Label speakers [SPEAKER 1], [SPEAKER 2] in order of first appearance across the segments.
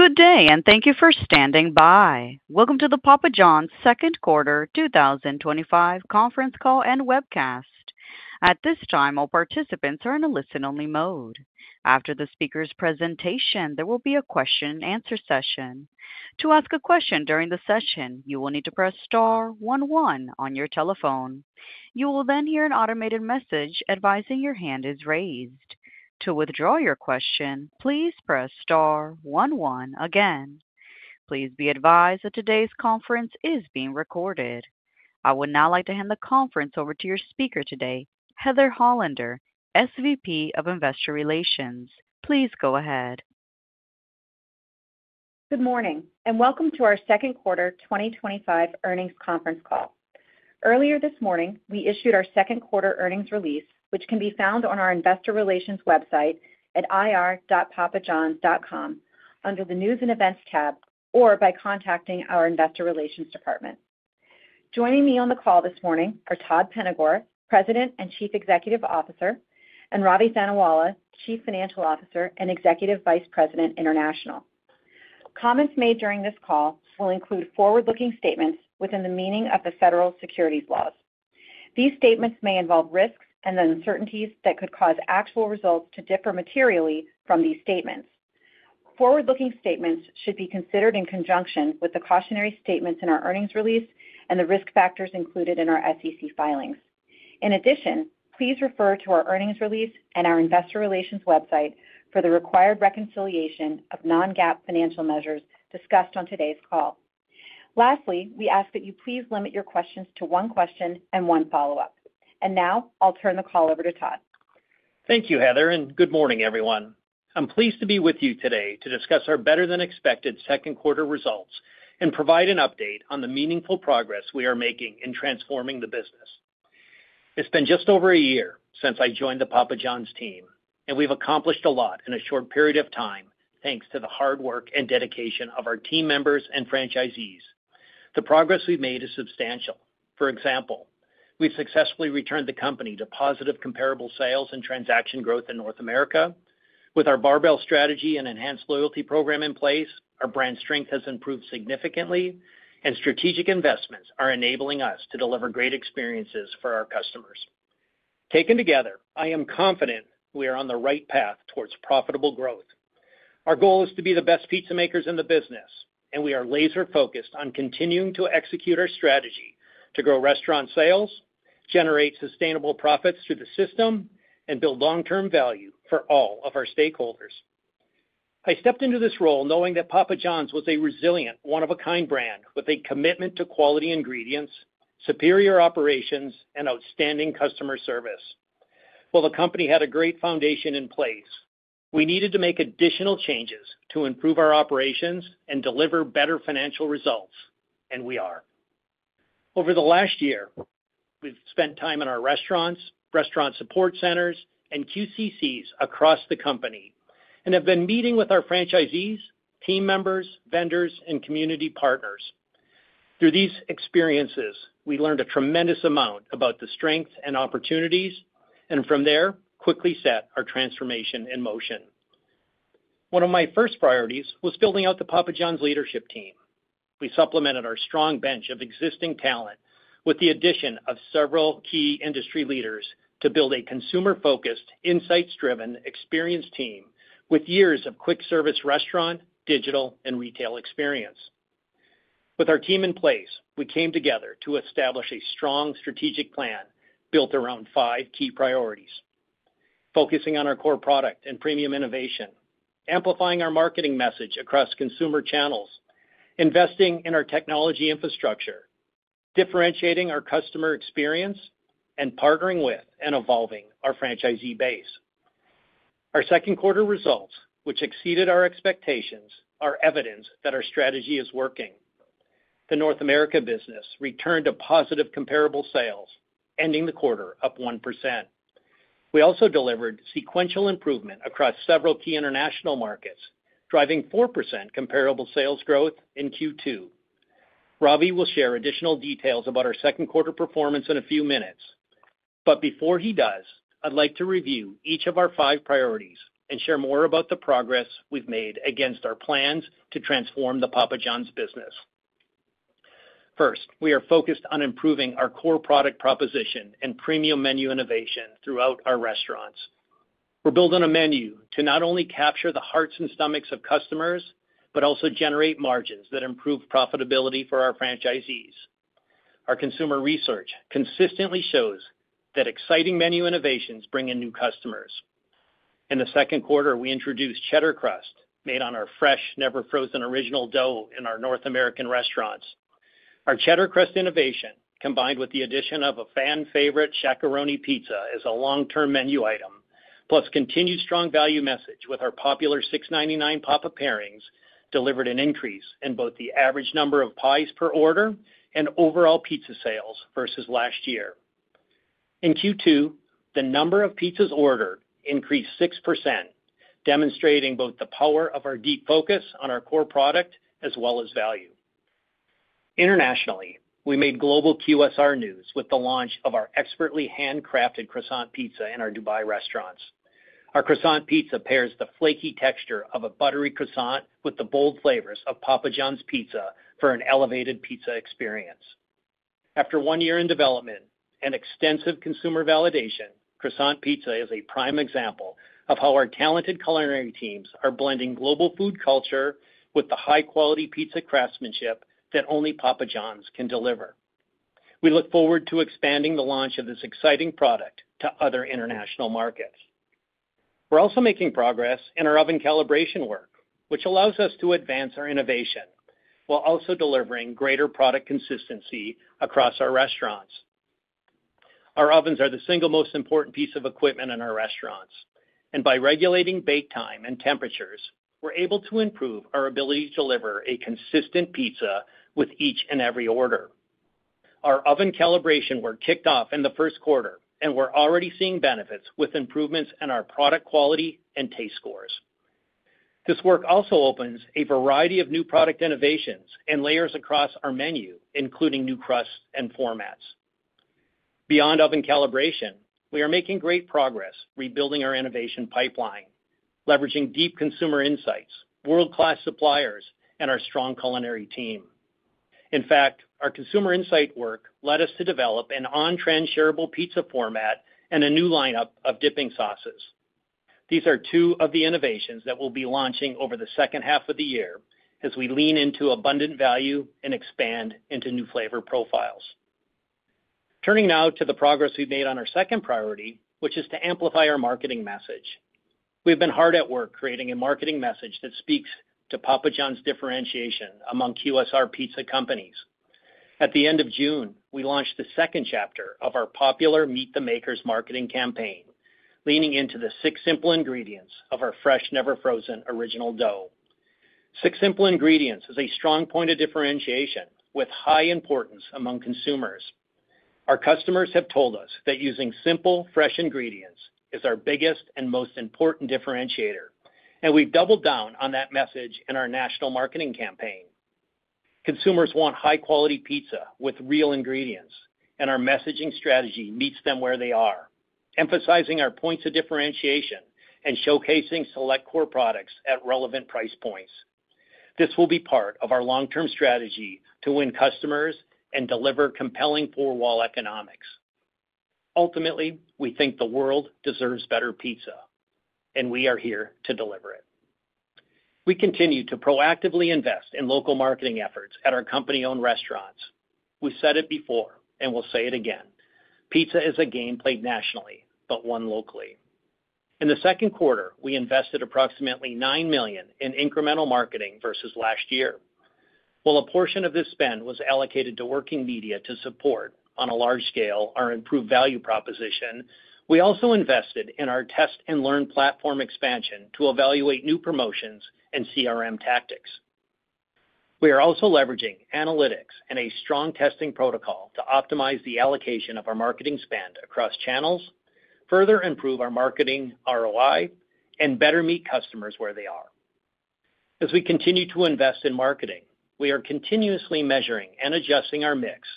[SPEAKER 1] Good day, and thank you for standing by. Welcome to the Papa John’s Second Quarter 2025 Conference Call and Webcast. At this time, all participants are in a listen-only mode. After the speaker's presentation, there will be a question and answer session. To ask a question during the session, you will need to press star one one on your telephone. You will then hear an automated message advising your hand is raised. To withdraw your question, please press star one one again. Please be advised that today's conference is being recorded. I would now like to hand the conference over to your speaker today, Heather Hollander, SVP of Investor Relations. Please go ahead.
[SPEAKER 2] Good morning, and welcome to our Second Quarter 2025 Earnings Conference Call. Earlier this morning, we issued our Second Quarter earnings release, which can be found on our Investor Relations website at ir.papajohns.com under the News and Events tab or by contacting our Investor Relations department. Joining me on the call this morning are Todd Penegor, President and Chief Executive Officer, and Ravi Thanawala, Chief Financial Officer and Executive Vice President, International. Comments made during this call will include forward-looking statements within the meaning of the Federal Securities Laws. These statements may involve risks and uncertainties that could cause actual results to differ materially from these statements. Forward-looking statements should be considered in conjunction with the cautionary statements in our earnings release and the risk factors included in our SEC filings. In addition, please refer to our earnings release and our Investor Relations website for the required reconciliation of non-GAAP financial measures discussed on today's call. Lastly, we ask that you please limit your questions to one question and one follow-up. I'll turn the call over to Todd.
[SPEAKER 3] Thank you, Heather, and good morning, everyone. I'm pleased to be with you today to discuss our better-than-expected Second Quarter results and provide an update on the meaningful progress we are making in transforming the business. It's been just over a year since I joined the Papa John’s team, and we've accomplished a lot in a short period of time thanks to the hard work and dedication of our team members and franchisees. The progress we've made is substantial. For example, we've successfully returned the company to positive comparable sales and transaction growth in North America. With our barbell strategy and enhanced loyalty program in place, our brand strength has improved significantly, and strategic investments are enabling us to deliver great experiences for our customers. Taken together, I am confident we are on the right path towards profitable growth. Our goal is to be the best pizza makers in the business, and we are laser-focused on continuing to execute our strategy to grow restaurant sales, generate sustainable profits through the system, and build long-term value for all of our stakeholders. I stepped into this role knowing that Papa John’s was a resilient, one-of-a-kind brand with a commitment to quality ingredients, superior operations, and outstanding customer service. While the company had a great foundation in place, we needed to make additional changes to improve our operations and deliver better financial results, and we are. Over the last year, we've spent time in our restaurants, restaurant support centers, and `QCCs across the company and have been meeting with our franchisees, team members, vendors, and community partners. Through these experiences, we learned a tremendous amount about the strengths and opportunities, and from there, quickly set our transformation in motion. One of my first priorities was building out the Papa John’s leadership team. We supplemented our strong bench of existing talent with the addition of several key industry leaders to build a consumer-focused, insights-driven, experienced team with years of quick-service restaurant, digital, and retail experience. With our team in place, we came together to establish a strong strategic plan built around five key priorities: focusing on our core product and premium innovation, amplifying our marketing message across consumer channels, investing in our technology infrastructure, differentiating our customer experience, and partnering with and evolving our franchisee base. Our Second Quarter results, which exceeded our expectations, are evidence that our strategy is working. The North America business returned to positive comparable sales, ending the quarter up 1%. We also delivered sequential improvement across several key international markets, driving 4% comparable sales growth in Q2. Ravi will share additional details about our Second Quarter performance in a few minutes. Before he does, I'd like to review each of our five priorities and share more about the progress we've made against our plans to transform the Papa John’s business. First, we are focused on improving our core product proposition and premium menu innovation throughout our restaurants. We're building a menu to not only capture the hearts and stomachs of customers but also generate margins that improve profitability for our franchisees. Our consumer research consistently shows that exciting menu innovations bring in new customers. In the Second Quarter, we introduced Cheddar Crust made on our fresh, never-frozen original dough in our North American restaurants. Our Cheddar Crust innovation, combined with the addition of a fan-favorite Shaq-a-Roni pizza as a long-term menu item, plus continued strong value message with our popular $6.99 Papa Pairings, delivered an increase in both the average number of pies per order and overall pizza sales versus last year. In Q2, the number of pizzas ordered increased 6%, demonstrating both the power of our deep focus on our core product as well as value. Internationally, we made global QSR news with the launch of our expertly handcrafted Croissant Pizza in our Dubai restaurants. Our Croissant Pizza pairs the flaky texture of a buttery croissant with the bold flavors of Papa John’s pizza for an elevated pizza experience. After one year in development and extensive consumer validation, Croissant Pizza is a prime example of how our talented culinary teams are blending global food culture with the high-quality pizza craftsmanship that only Papa John’s can deliver. We look forward to expanding the launch of this exciting product to other international markets. We're also making progress in our oven calibration work, which allows us to advance our innovation while also delivering greater product consistency across our restaurants. Our ovens are the single most important piece of equipment in our restaurants, and by regulating bake time and temperatures, we're able to improve our ability to deliver a consistent pizza with each and every order. Our oven calibration work kicked off in the first quarter, and we're already seeing benefits with improvements in our product quality and taste scores. This work also opens a variety of new product innovations and layers across our menu, including new crusts and formats. Beyond oven calibration, we are making great progress rebuilding our innovation pipeline, leveraging deep consumer insights, world-class suppliers, and our strong culinary team. In fact, our consumer insight work led us to develop an on-train shareable pizza format and a new lineup of dipping sauces. These are two of the innovations that we'll be launching over the second half of the year as we lean into abundant value and expand into new flavor profiles. Turning now to the progress we've made on our second priority, which is to amplify our marketing message. We've been hard at work creating a marketing message that speaks to Papa John’s differentiation among QSR pizza companies. At the end of June, we launched the second chapter of our popular “Meet the Makers” marketing campaign, leaning into the six simple ingredients of our fresh, never-frozen original dough. Six simple ingredients is a strong point of differentiation with high importance among consumers. Our customers have told us that using simple, fresh ingredients is our biggest and most important differentiator, and we've doubled down on that message in our national marketing campaign. Consumers want high-quality pizza with real ingredients, and our messaging strategy meets them where they are, emphasizing our points of differentiation and showcasing select core products at relevant price points. This will be part of our long-term strategy to win customers and deliver compelling four-wall economics. Ultimately, we think the world deserves better pizza, and we are here to deliver it. We continue to proactively invest in local marketing efforts at our company-owned restaurants. We said it before, and we'll say it again: pizza is a game played nationally, but won locally. In the second quarter, we invested approximately $9 million in incremental marketing versus last year. While a portion of this spend was allocated to working media to support, on a large scale, our improved value proposition, we also invested in our test and learn platform expansion to evaluate new promotions and CRM tactics. We are also leveraging analytics and a strong testing protocol to optimize the allocation of our marketing spend across channels, further improve our marketing ROI, and better meet customers where they are. As we continue to invest in marketing, we are continuously measuring and adjusting our mix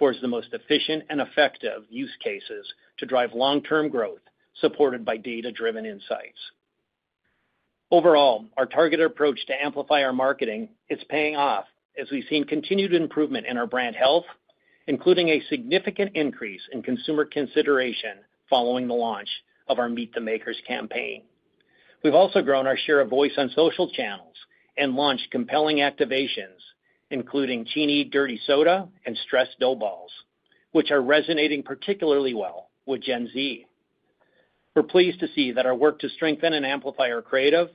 [SPEAKER 3] towards the most efficient and effective use cases to drive long-term growth supported by data-driven insights. Overall, our targeted approach to amplify our marketing is paying off as we've seen continued improvement in our brand health, including a significant increase in consumer consideration following the launch of our “Meet the Makers” campaign. We've also grown our share of voice on social channels and launched compelling activations, including teeny, dirty soda and stressed dough balls, which are resonating particularly well with Gen Z. We're pleased to see that our work to strengthen and amplify our creative,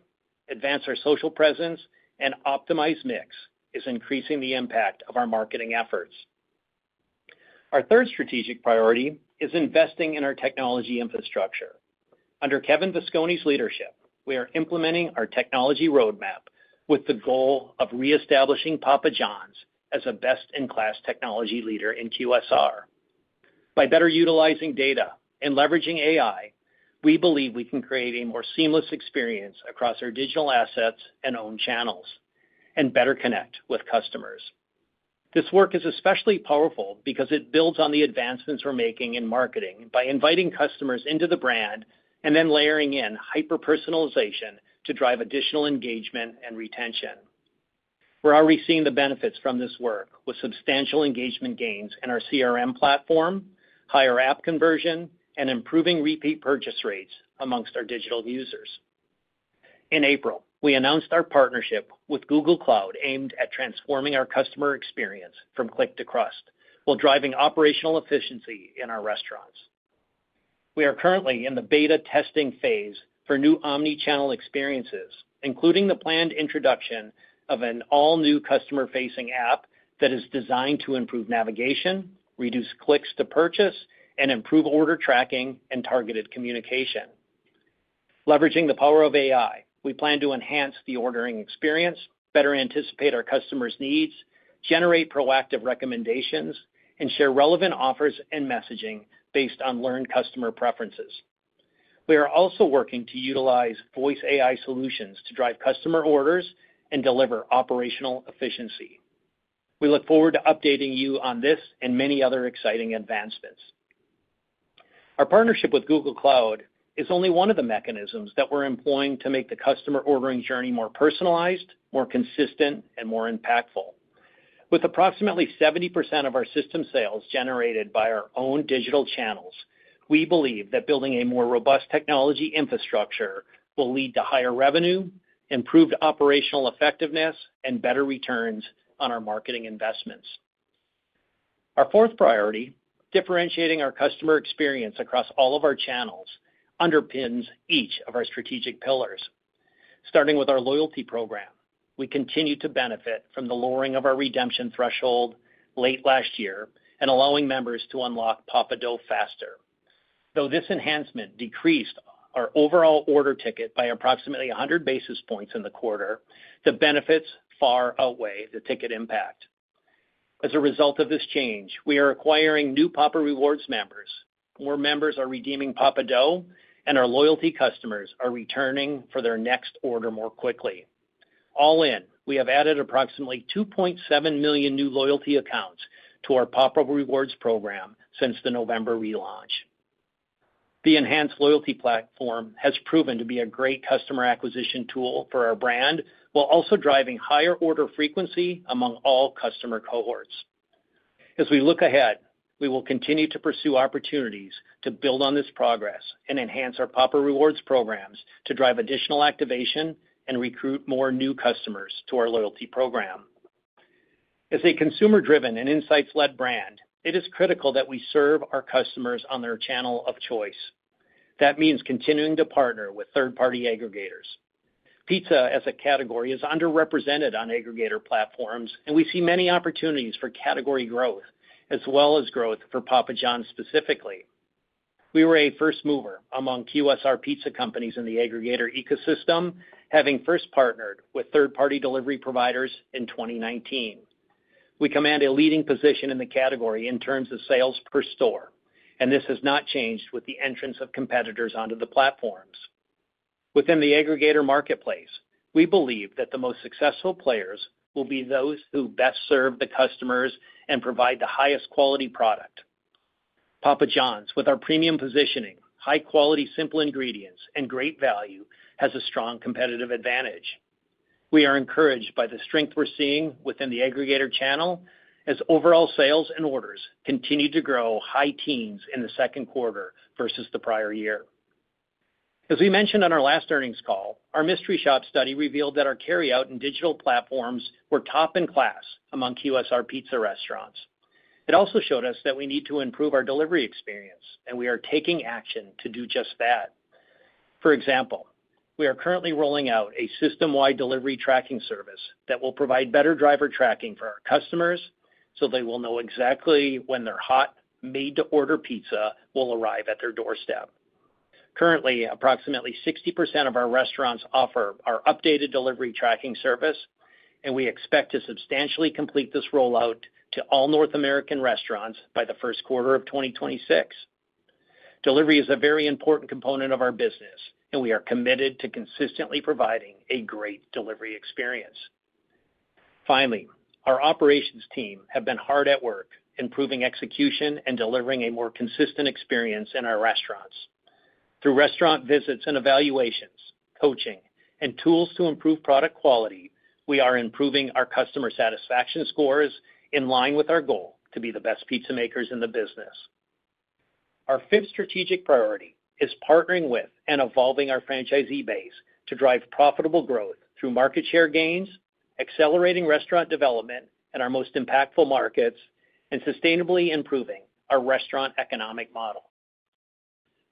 [SPEAKER 3] advance our social presence, and optimize mix is increasing the impact of our marketing efforts. Our third strategic priority is investing in our technology infrastructure. Under Kevin Visconi's leadership, we are implementing our technology roadmap with the goal of reestablishing Papa John’s as a best-in-class technology leader in QSR. By better utilizing data and leveraging AI, we believe we can create a more seamless experience across our digital assets and own channels and better connect with customers. This work is especially powerful because it builds on the advancements we're making in marketing by inviting customers into the brand and then layering in hyper-personalization to drive additional engagement and retention. We're already seeing the benefits from this work with substantial engagement gains in our CRM platform, higher app conversion, and improving repeat purchase rates amongst our digital users. In April, we announced our partnership with Google Cloud aimed at transforming our customer experience from click to crust while driving operational efficiency in our restaurants. We are currently in the beta testing phase for new omnichannel experiences, including the planned introduction of an all-new customer-facing app that is designed to improve navigation, reduce clicks to purchase, and improve order tracking and targeted communication. Leveraging the power of AI, we plan to enhance the ordering experience, better anticipate our customers' needs, generate proactive recommendations, and share relevant offers and messaging based on learned customer preferences. We are also working to utilize voice AI solutions to drive customer orders and deliver operational efficiency. We look forward to updating you on this and many other exciting advancements. Our partnership with Google Cloud is only one of the mechanisms that we're employing to make the customer ordering journey more personalized, more consistent, and more impactful. With approximately 70% of our system-wide sales generated by our own digital channels, we believe that building a more robust technology infrastructure will lead to higher revenue, improved operational effectiveness, and better returns on our marketing investments. Our fourth priority, differentiating our customer experience across all of our channels, underpins each of our strategic pillars. Starting with our Loyalty Program, we continue to benefit from the lowering of our redemption threshold late last year and allowing members to unlock Papa Dough faster. Though this enhancement decreased our overall order ticket by approximately 100 basis points in the quarter, the benefits far outweigh the ticket impact. As a result of this change, we are acquiring new Papa Rewards members, more members are redeeming Papa Dough, and our loyalty customers are returning for their next order more quickly. All in, we have added approximately 2.7 million new loyalty accounts to our Papa Rewards program since the November relaunch. The enhanced loyalty platform has proven to be a great customer acquisition tool for our brand while also driving higher order frequency among all customer cohorts. As we look ahead, we will continue to pursue opportunities to build on this progress and enhance our Papa Rewards programs to drive additional activation and recruit more new customers to our Loyalty Program. As a consumer-driven and insights-led brand, it is critical that we serve our customers on their channel of choice. That means continuing to partner with third-party aggregators. Pizza as a category is underrepresented on aggregator platforms, and we see many opportunities for category growth as well as growth for Papa John’s specifically. We were a first mover among QSR pizza companies in the aggregator ecosystem, having first partnered with third-party delivery providers in 2019. We command a leading position in the category in terms of sales per store, and this has not changed with the entrance of competitors onto the platforms. Within the aggregator marketplace, we believe that the most successful players will be those who best serve the customers and provide the highest quality product. Papa John’s, with our premium positioning, high-quality simple ingredients, and great value, has a strong competitive advantage. We are encouraged by the strength we’re seeing within the aggregator channel as overall sales and orders continue to grow high teens in the second quarter versus the prior year. As we mentioned on our last earnings call, our mystery shop study revealed that our carryout and digital platforms were top in class among QSR pizza restaurants. It also showed us that we need to improve our delivery experience, and we are taking action to do just that. For example, we are currently rolling out a system-wide delivery tracking service that will provide better driver tracking for our customers so they will know exactly when their hot, made-to-order pizza will arrive at their doorstep. Currently, approximately 60% of our restaurants offer our updated delivery tracking service, and we expect to substantially complete this rollout to all North American restaurants by the first quarter of 2026. Delivery is a very important component of our business, and we are committed to consistently providing a great delivery experience. Finally, our operations team has been hard at work improving execution and delivering a more consistent experience in our restaurants. Through restaurant visits and evaluations, coaching, and tools to improve product quality, we are improving our customer satisfaction scores in line with our goal to be the best pizza makers in the business. Our fifth strategic priority is partnering with and evolving our franchisee base to drive profitable growth through market share gains, accelerating restaurant development in our most impactful markets, and sustainably improving our restaurant economic model.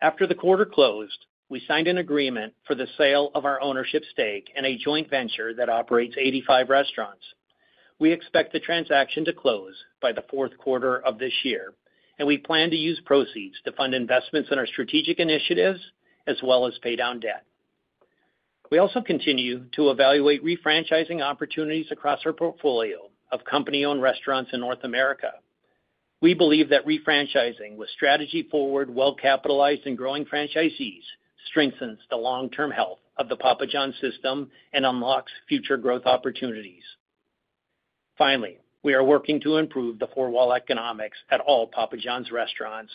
[SPEAKER 3] After the quarter closed, we signed an agreement for the sale of our ownership stake in a joint venture that operates 85 restaurants. We expect the transaction to close by the fourth quarter of this year, and we plan to use proceeds to fund investments in our strategic initiatives as well as pay down debt. We also continue to evaluate refranchising opportunities across our portfolio of company-owned restaurants in North America. We believe that refranchising with strategy-forward, well-capitalized, and growing franchisees strengthens the long-term health of the Papa John’s system and unlocks future growth opportunities. Finally, we are working to improve the four-wall economics at all Papa John’s restaurants,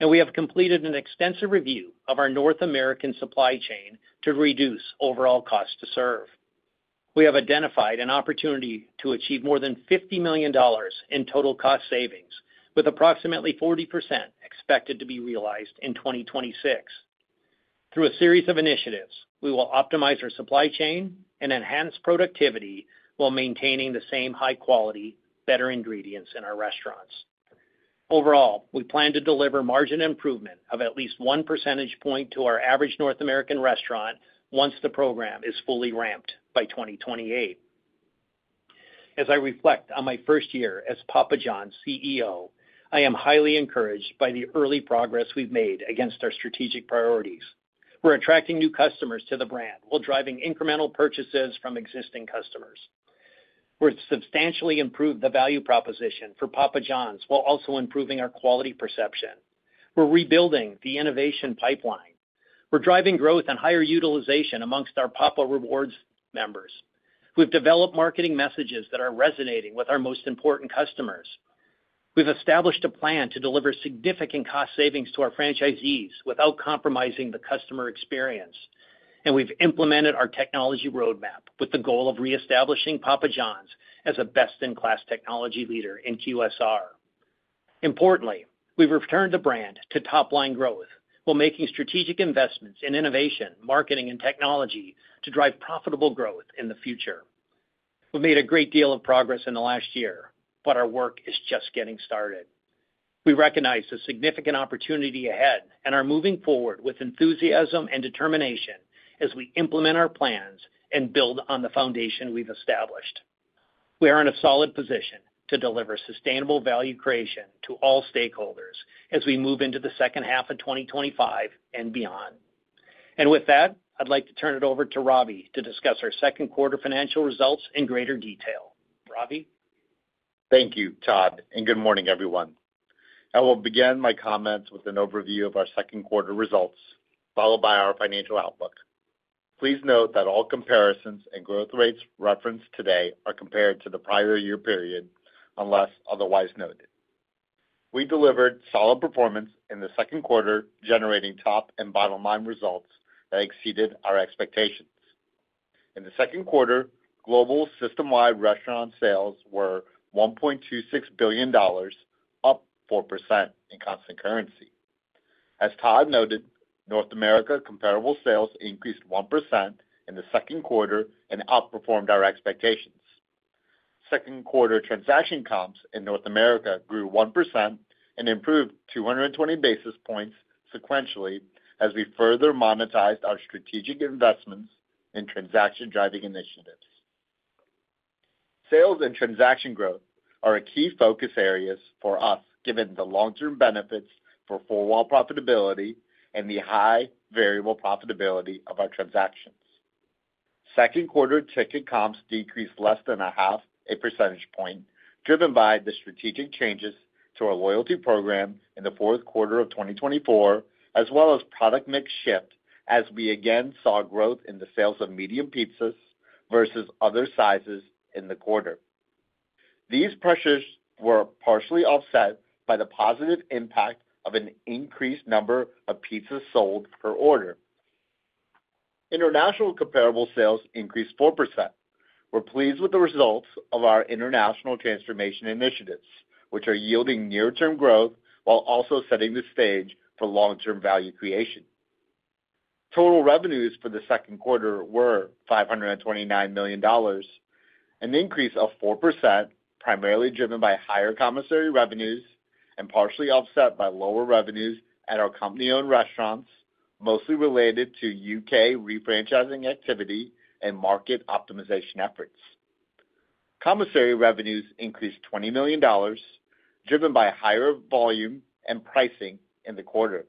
[SPEAKER 3] and we have completed an extensive review of our North American supply chain to reduce overall costs to serve. We have identified an opportunity to achieve more than $50 million in total cost savings, with approximately 40% expected to be realized in 2026. Through a series of initiatives, we will optimize our supply chain and enhance productivity while maintaining the same high-quality, better ingredients in our restaurants. Overall, we plan to deliver margin improvement of at least one percentage point to our average North American restaurant once the program is fully ramped by 2028. As I reflect on my first year as Papa John’s CEO, I am highly encouraged by the early progress we’ve made against our strategic priorities. We’re attracting new customers to the brand while driving incremental purchases from existing customers. We’ve substantially improved the value proposition for Papa John’s while also improving our quality perception. We’re rebuilding the innovation pipeline. We’re driving growth and higher utilization amongst our Papa Rewards members. We’ve developed marketing messages that are resonating with our most important customers. We’ve established a plan to deliver significant cost savings to our franchisees without compromising the customer experience, and we’ve implemented our technology roadmap with the goal of reestablishing Papa John’s as a best-in-class technology leader in QSR. Importantly, we’ve returned the brand to top-line growth while making strategic investments in innovation, marketing, and technology to drive profitable growth in the future. We’ve made a great deal of progress in the last year, but our work is just getting started. We recognize the significant opportunity ahead and are moving forward with enthusiasm and determination as we implement our plans and build on the foundation we've established. We are in a solid position to deliver sustainable value creation to all stakeholders as we move into the second half of 2025 and beyond. I'd like to turn it over to Ravi to discuss our second quarter financial results in greater detail. Ravi?
[SPEAKER 4] Thank you, Todd, and good morning, everyone. I will begin my comments with an overview of our second quarter results, followed by our financial outlook. Please note that all comparisons and growth rates referenced today are compared to the prior year period unless otherwise noted. We delivered solid performance in the second quarter, generating top and bottom line results that exceeded our expectations. In the second quarter, global system-wide restaurant sales were $1.26 billion, up 4% in constant currency. As Todd noted, North America comparable sales increased 1% in the second quarter and outperformed our expectations. Second quarter transaction comps in North America grew 1% and improved 220 basis points sequentially as we further monetized our strategic investments in transaction-driving initiatives. Sales and transaction growth are key focus areas for us, given the long-term benefits for four-wall profitability and the high variable profitability of our transactions. Second quarter ticket comps decreased less than a half a percentage point, driven by the strategic changes to our loyalty program in the fourth quarter of 2024, as well as product mix shift as we again saw growth in the sales of medium pizzas versus other sizes in the quarter. These pressures were partially offset by the positive impact of an increased number of pizzas sold per order. International comparable sales increased 4%. We're pleased with the results of our international transformation initiatives, which are yielding near-term growth while also setting the stage for long-term value creation. Total revenues for the second quarter were $529 million, an increase of 4%, primarily driven by higher commissary revenues and partially offset by lower revenues at our company-owned restaurants, mostly related to U.K. refranchising activity and market optimization efforts. Commissary revenues increased $20 million, driven by higher volume and pricing in the quarter.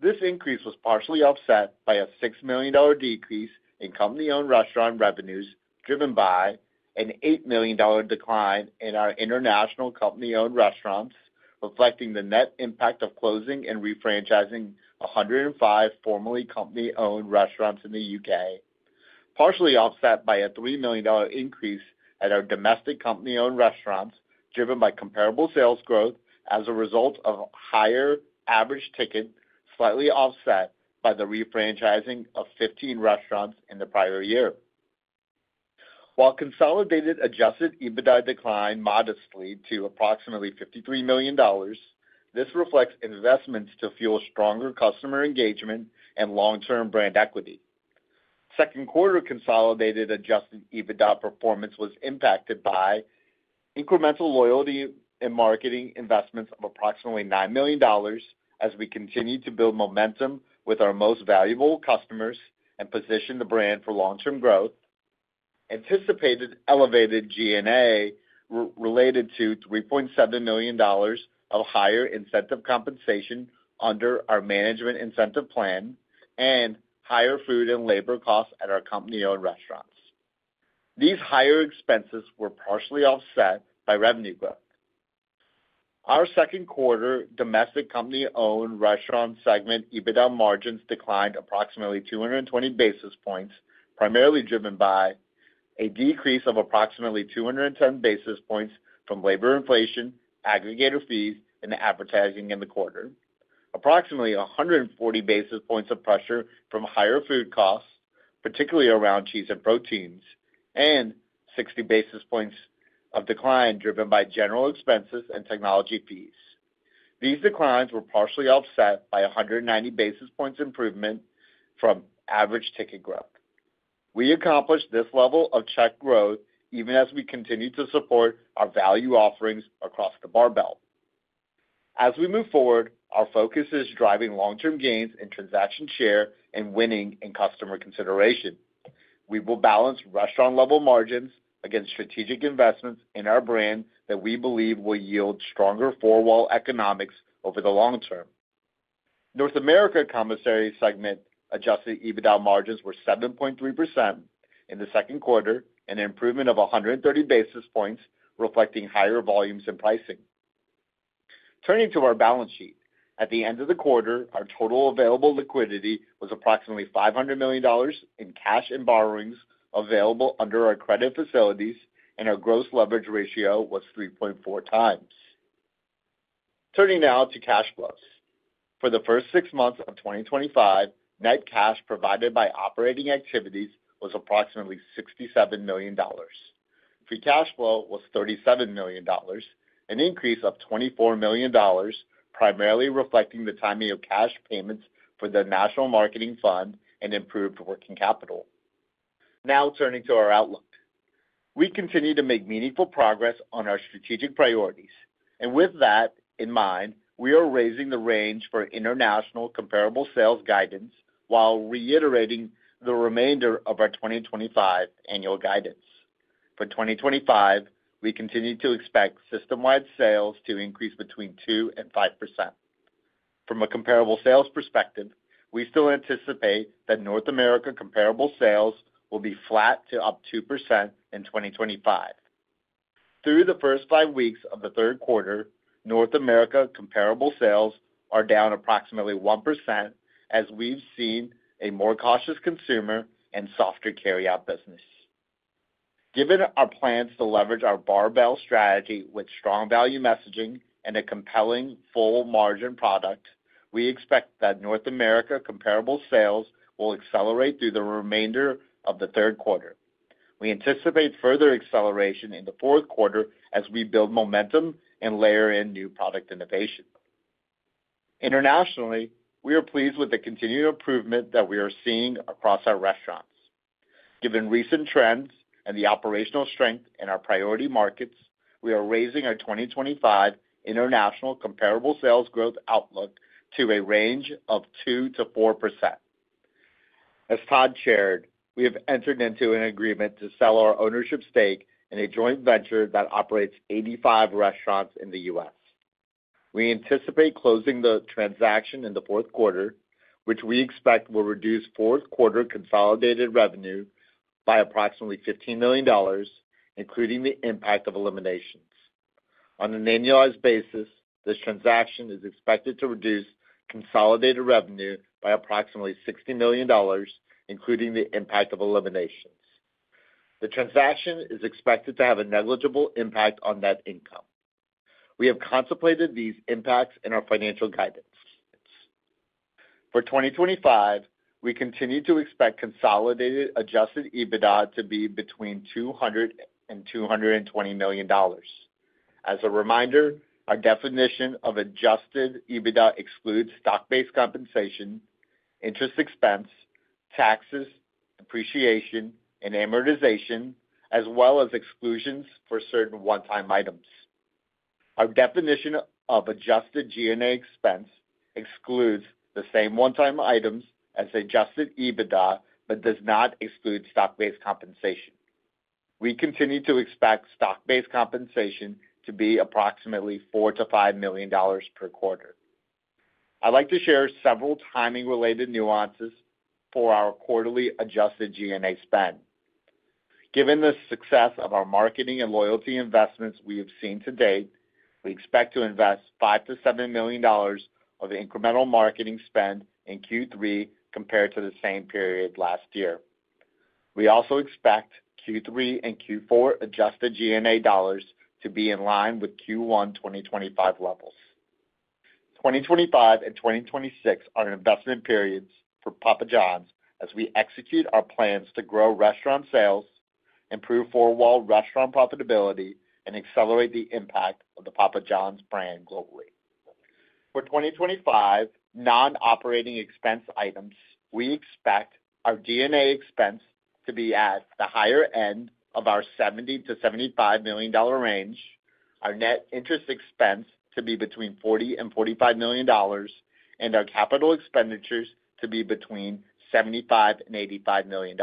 [SPEAKER 4] This increase was partially offset by a $6 million decrease in company-owned restaurant revenues, driven by an $8 million decline in our international company-owned restaurants, reflecting the net impact of closing and refranchising 105 formerly company-owned restaurants in the U.K., partially offset by a $3 million increase at our domestic company-owned restaurants, driven by comparable sales growth as a result of a higher average ticket, slightly offset by the refranchising of 15 restaurants in the prior year. While consolidated adjusted EBITDA declined modestly to approximately $53 million, this reflects investments to fuel stronger customer engagement and long-term brand equity. Second quarter consolidated adjusted EBITDA performance was impacted by incremental loyalty and marketing investments of approximately $9 million as we continue to build momentum with our most valuable customers and position the brand for long-term growth. Anticipated elevated G&A related to $3.7 million of higher incentive compensation under our management incentive plan and higher food and labor costs at our company-owned restaurants. These higher expenses were partially offset by revenue growth. Our second quarter domestic company-owned restaurant segment EBITDA margins declined approximately 220 basis points, primarily driven by a decrease of approximately 210 basis points from labor inflation, aggregator fees, and advertising in the quarter, approximately 140 basis points of pressure from higher food costs, particularly around cheese and proteins, and 60 basis points of decline driven by general expenses and technology fees. These declines were partially offset by 190 basis points improvement from average ticket growth. We accomplished this level of check growth even as we continue to support our value offerings across the barbell. As we move forward, our focus is driving long-term gains in transaction share and winning in customer consideration. We will balance restaurant-level margins against strategic investments in our brand that we believe will yield stronger four-wall economics over the long term. North America commissary segment adjusted EBITDA margins were 7.3% in the second quarter, an improvement of 130 basis points, reflecting higher volumes and pricing. Turning to our balance sheet, at the end of the quarter, our total available liquidity was approximately $500 million in cash and borrowings available under our credit facilities, and our gross leverage ratio was 3.4x. Turning now to cash flows. For the first six months of 2025, net cash provided by operating activities was approximately $67 million. Free cash flow was $37 million, an increase of $24 million, primarily reflecting the timing of cash payments for the national marketing fund and improved working capital. Now, turning to our outlook. We continue to make meaningful progress on our strategic priorities. With that in mind, we are raising the range for international comparable sales guidance while reiterating the remainder of our 2025 annual guidance. For 2025, we continue to expect system-wide sales to increase between 2% and 5%. From a comparable sales perspective, we still anticipate that North America comparable sales will be flat to up 2% in 2025. Through the first five weeks of the third quarter, North America comparable sales are down approximately 1% as we've seen a more cautious consumer and softer carryout business. Given our plans to leverage our barbell strategy with strong value messaging and a compelling full margin product, we expect that North America comparable sales will accelerate through the remainder of the third quarter. We anticipate further acceleration in the fourth quarter as we build momentum and layer in new product innovation. Internationally, we are pleased with the continued improvement that we are seeing across our restaurants. Given recent trends and the operational strength in our priority markets, we are raising our 2025 international comparable sales growth outlook to a range of 2%-4%. As Todd shared, we have entered into an agreement to sell our ownership stake in a joint venture that operates 85 restaurants in the U.S. We anticipate closing the transaction in the fourth quarter, which we expect will reduce fourth quarter consolidated revenue by approximately $15 million, including the impact of eliminations. On an annualized basis, this transaction is expected to reduce consolidated revenue by approximately $60 million, including the impact of eliminations. The transaction is expected to have a negligible impact on net income. We have contemplated these impacts in our financial guidance. For 2025, we continue to expect consolidated adjusted EBITDA to be between $200 million-$220 million. As a reminder, our definition of adjusted EBITDA excludes stock-based compensation, interest expense, taxes, depreciation, and amortization, as well as exclusions for certain one-time items. Our definition of adjusted G&A expense excludes the same one-time items as adjusted EBITDA but does not exclude stock-based compensation. We continue to expect stock-based compensation to be approximately $4 million-$5 million per quarter. I'd like to share several timing-related nuances for our quarterly adjusted G&A spend. Given the success of our marketing and loyalty investments we have seen to date, we expect to invest $5 million-$7 million of incremental marketing spend in Q3 compared to the same period last year. We also expect Q3 and Q4 adjusted G&A dollars to be in line with Q1 2025 levels. 2025 and 2026 are investment periods for Papa John’s as we execute our plans to grow restaurant sales, improve four-wall restaurant profitability, and accelerate the impact of the Papa John’s brand globally. For 2025 non-operating expense items, we expect our G&A expense to be at the higher end of our $70 million-$75 million range, our net interest expense to be between $40 million-$45 million, and our capital expenditures to be between $75 and $85 million.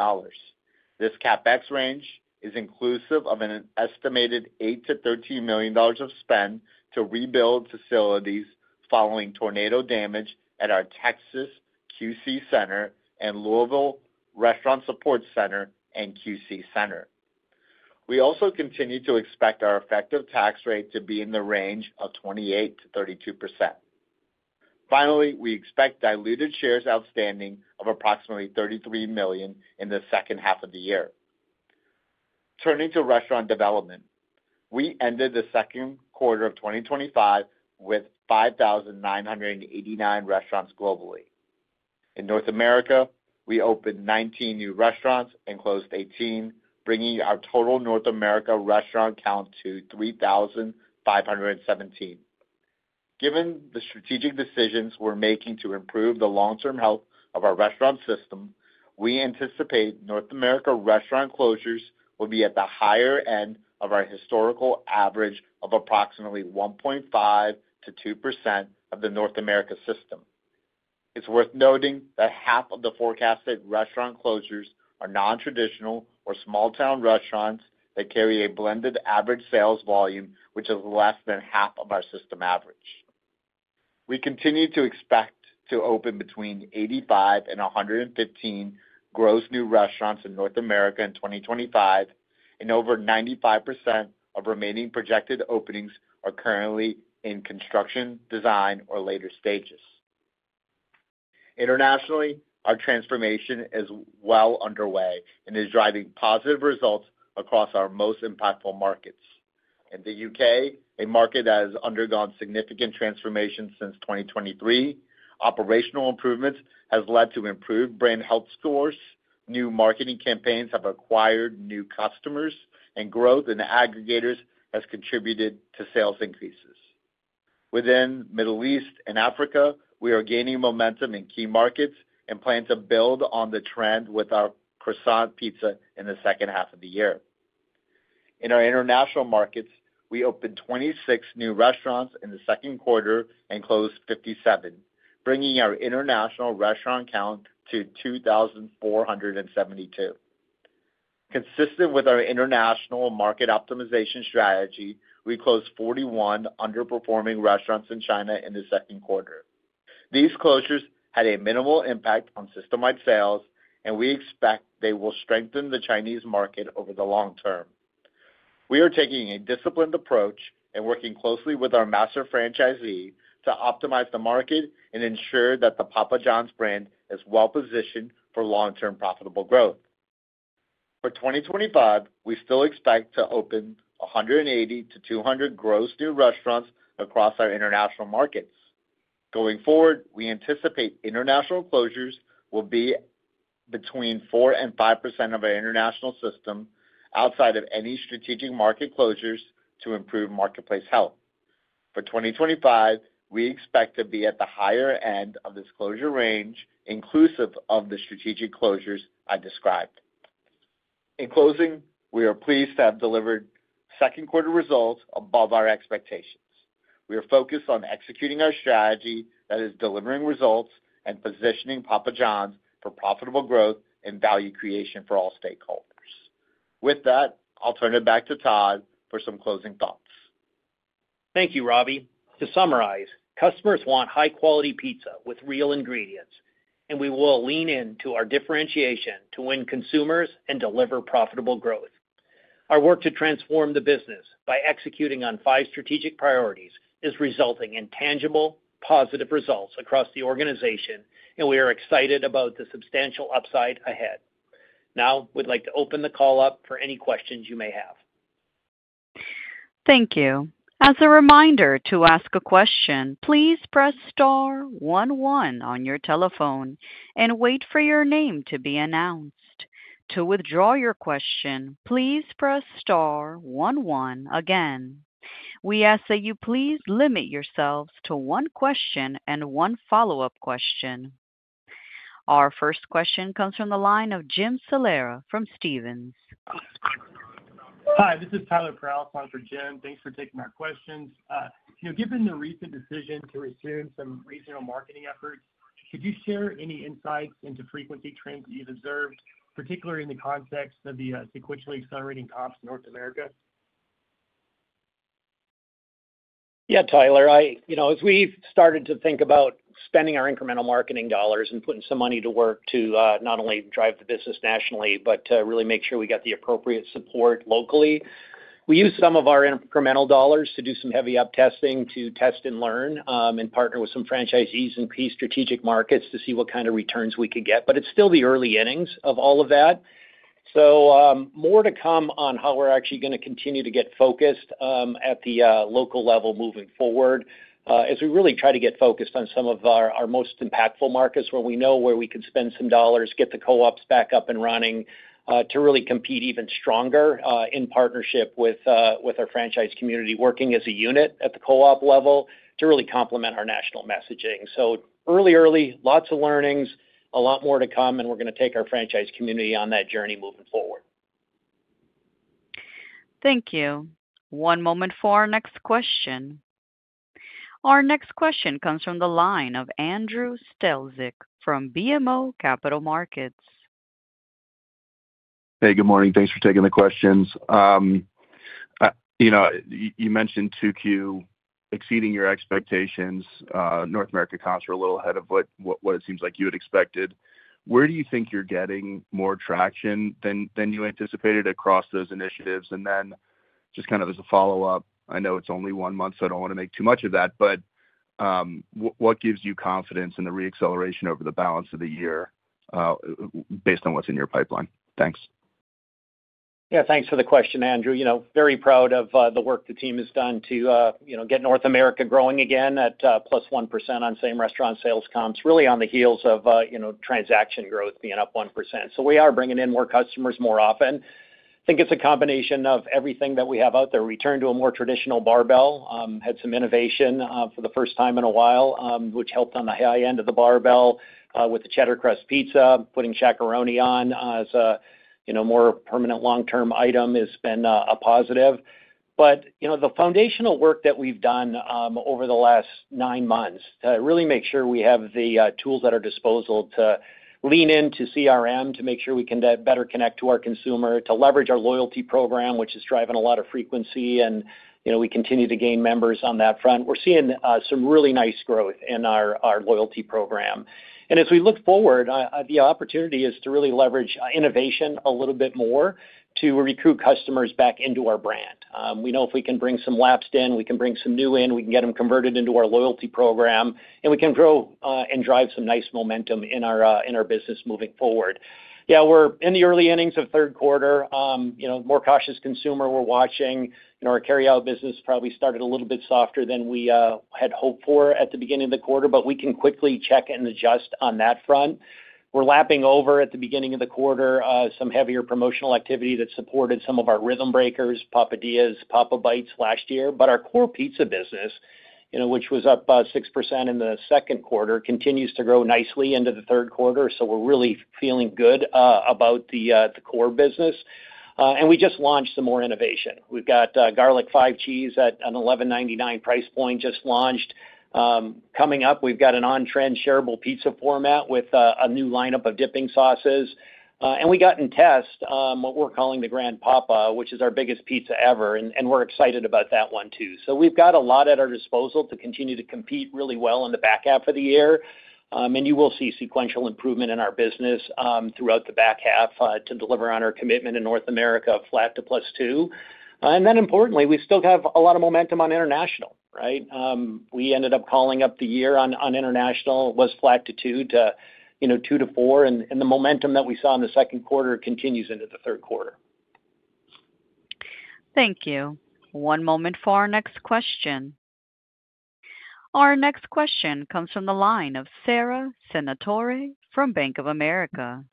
[SPEAKER 4] This CapEx range is inclusive of an estimated $8 million- $13 million of spend to rebuild facilities following tornado damage at our Texas QC Center and Louisville Restaurant Support Center and QC Center. We also continue to expect our effective tax rate to be in the range of 28%-32%. Finally, we expect diluted shares outstanding of approximately 33 million in the second half of the year. Turning to restaurant development, we ended the second quarter of 2025 with 5,989 restaurants globally. In North America, we opened 19 new restaurants and closed 18, bringing our total North America restaurant count to 3,517. Given the strategic decisions we're making to improve the long-term health of our restaurant system, we anticipate North America restaurant closures will be at the higher end of our historical average of approximately 1.5%-2% of the North America system. It's worth noting that half of the forecasted restaurant closures are non-traditional or small-town restaurants that carry a blended average sales volume, which is less than half of our system average. We continue to expect to open between 85 and 115 gross new restaurants in North America in 2025, and over 95% of remaining projected openings are currently in construction, design, or later stages. Internationally, our transformation is well underway and is driving positive results across our most impactful markets. In the U.K., a market that has undergone significant transformation since 2023, operational improvements have led to improved brand health scores, new marketing campaigns have acquired new customers, and growth in the aggregators has contributed to sales increases. Within the Middle East and Africa, we are gaining momentum in key markets and plan to build on the trend with our Croissant Pizza in the second half of the year. In our international markets, we opened 26 new restaurants in the second quarter and closed 57, bringing our international restaurant count to 2,472. Consistent with our international market optimization strategy, we closed 41 underperforming restaurants in China in the second quarter. These closures had a minimal impact on system-wide sales, and we expect they will strengthen the Chinese market over the long term. We are taking a disciplined approach and working closely with our master franchisee to optimize the market and ensure that the Papa John’s brand is well positioned for long-term profitable growth. For 2025, we still expect to open 180-200 gross new restaurants across our international markets. Going forward, we anticipate international closures will be between 4% and 5% of our international system, outside of any strategic market closures, to improve marketplace health. For 2025, we expect to be at the higher end of this closure range, inclusive of the strategic closures I described. In closing, we are pleased to have delivered second quarter results above our expectations. We are focused on executing our strategy that is delivering results and positioning Papa John’s for profitable growth and value creation for all stakeholders. With that, I'll turn it back to Todd for some closing thoughts.
[SPEAKER 3] Thank you, Ravi. To summarize, customers want high-quality pizza with real ingredients, and we will lean into our differentiation to win consumers and deliver profitable growth. Our work to transform the business by executing on five strategic priorities is resulting in tangible, positive results across the organization, and we are excited about the substantial upside ahead. Now, we'd like to open the call up for any questions you may have.
[SPEAKER 1] Thank you. As a reminder, to ask a question, please press star star one one on your telephone and wait for your name to be announced. To withdraw your question, please press star one one again. We ask that you please limit yourselves to one question and one follow-up question. Our first question comes from the line of Jim Salera from Stephens. Hi, this is Tyler Peralta for Jim. Thanks for taking our questions. Given the recent decision to resume some regional marketing efforts, could you share any insights into frequency trends that you've observed, particularly in the context of the sequentially accelerating comps in North America?
[SPEAKER 3] Yeah, Tyler. As we've started to think about spending our incremental marketing dollars and putting some money to work to not only drive the business nationally, but to really make sure we got the appropriate support locally, we use some of our incremental dollars to do some heavy up-testing to test and learn and partner with some franchisees in key strategic markets to see what kind of returns we could get. It's still the early innings of all of that. More to come on how we're actually going to continue to get focused at the local level moving forward as we really try to get focused on some of our most impactful markets where we know where we could spend some dollars, get the co-ops back up and running to really compete even stronger in partnership with our franchise community, working as a unit at the co-op level to really complement our national messaging. Early, early, lots of learnings, a lot more to come, and we're going to take our franchise community on that journey moving forward.
[SPEAKER 1] Thank you. One moment for our next question. Our next question comes from the line of Andrew Strelzik from BMO Capital Markets.
[SPEAKER 5] Hey, good morning. Thanks for taking the questions. You mentioned 2Q exceeding your expectations. North America comps were a little ahead of what it seems like you had expected. Where do you think you're getting more traction than you anticipated across those initiatives? Just kind of as a follow-up, I know it's only one month, so I don't want to make too much of that, but what gives you confidence in the reacceleration over the balance of the year based on what's in your pipeline? Thanks.
[SPEAKER 3] Yeah, thanks for the question, Andrew. Very proud of the work the team has done to get North America growing again at +1% on same restaurant sales comps, really on the heels of transaction growth being up 1%. We are bringing in more customers more often. I think it's a combination of everything that we have out there. We turned to a more traditional barbell, had some innovation for the first time in a while, which helped on the high end of the barbell with the Cheddar Crust Pizza. Putting Shaq-a-Roni on as a more permanent long-term item has been a positive. The foundational work that we've done over the last nine months to really make sure we have the tools at our disposal to lean into CRM to make sure we can better connect to our consumer, to leverage our Loyalty Program, which is driving a lot of frequency, and we continue to gain members on that front. We're seeing some really nice growth in our Loyalty Program. As we look forward, the opportunity is to really leverage innovation a little bit more to recruit customers back into our brand. We know if we can bring some lapsed in, we can bring some new in, we can get them converted into our Loyalty Program, and we can grow and drive some nice momentum in our business moving forward. We're in the early innings of third quarter. More cautious consumer we're watching, and our carryout business probably started a little bit softer than we had hoped for at the beginning of the quarter, but we can quickly check and adjust on that front. We're lapping over at the beginning of the quarter some heavier promotional activity that supported some of our rhythm breakers, Papadias, Papa Bites last year, but our core pizza business, which was up 6% in the second quarter, continues to grow nicely into the third quarter. We're really feeling good about the core business. We just launched some more innovation. We've got Garlic 5-Cheese at an $11.99 price point just launched. Coming up, we've got an on-trend shareable pizza format with a new lineup of dipping sauces. We got in test what we're calling the Grand Papa, which is our biggest pizza ever, and we're excited about that one too. We've got a lot at our disposal to continue to compete really well in the back half of the year. You will see sequential improvement in our business throughout the back half to deliver on our commitment in North America flat to +2%. Importantly, we still have a lot of momentum on international, right? We ended up calling up the year on international was flat to 2%, to, you know, 2% to 4%, and the momentum that we saw in the second quarter continues into the third quarter.
[SPEAKER 1] Thank you. One moment for our next question. Our next question comes from the line of Sarah Senatore from Bank of America.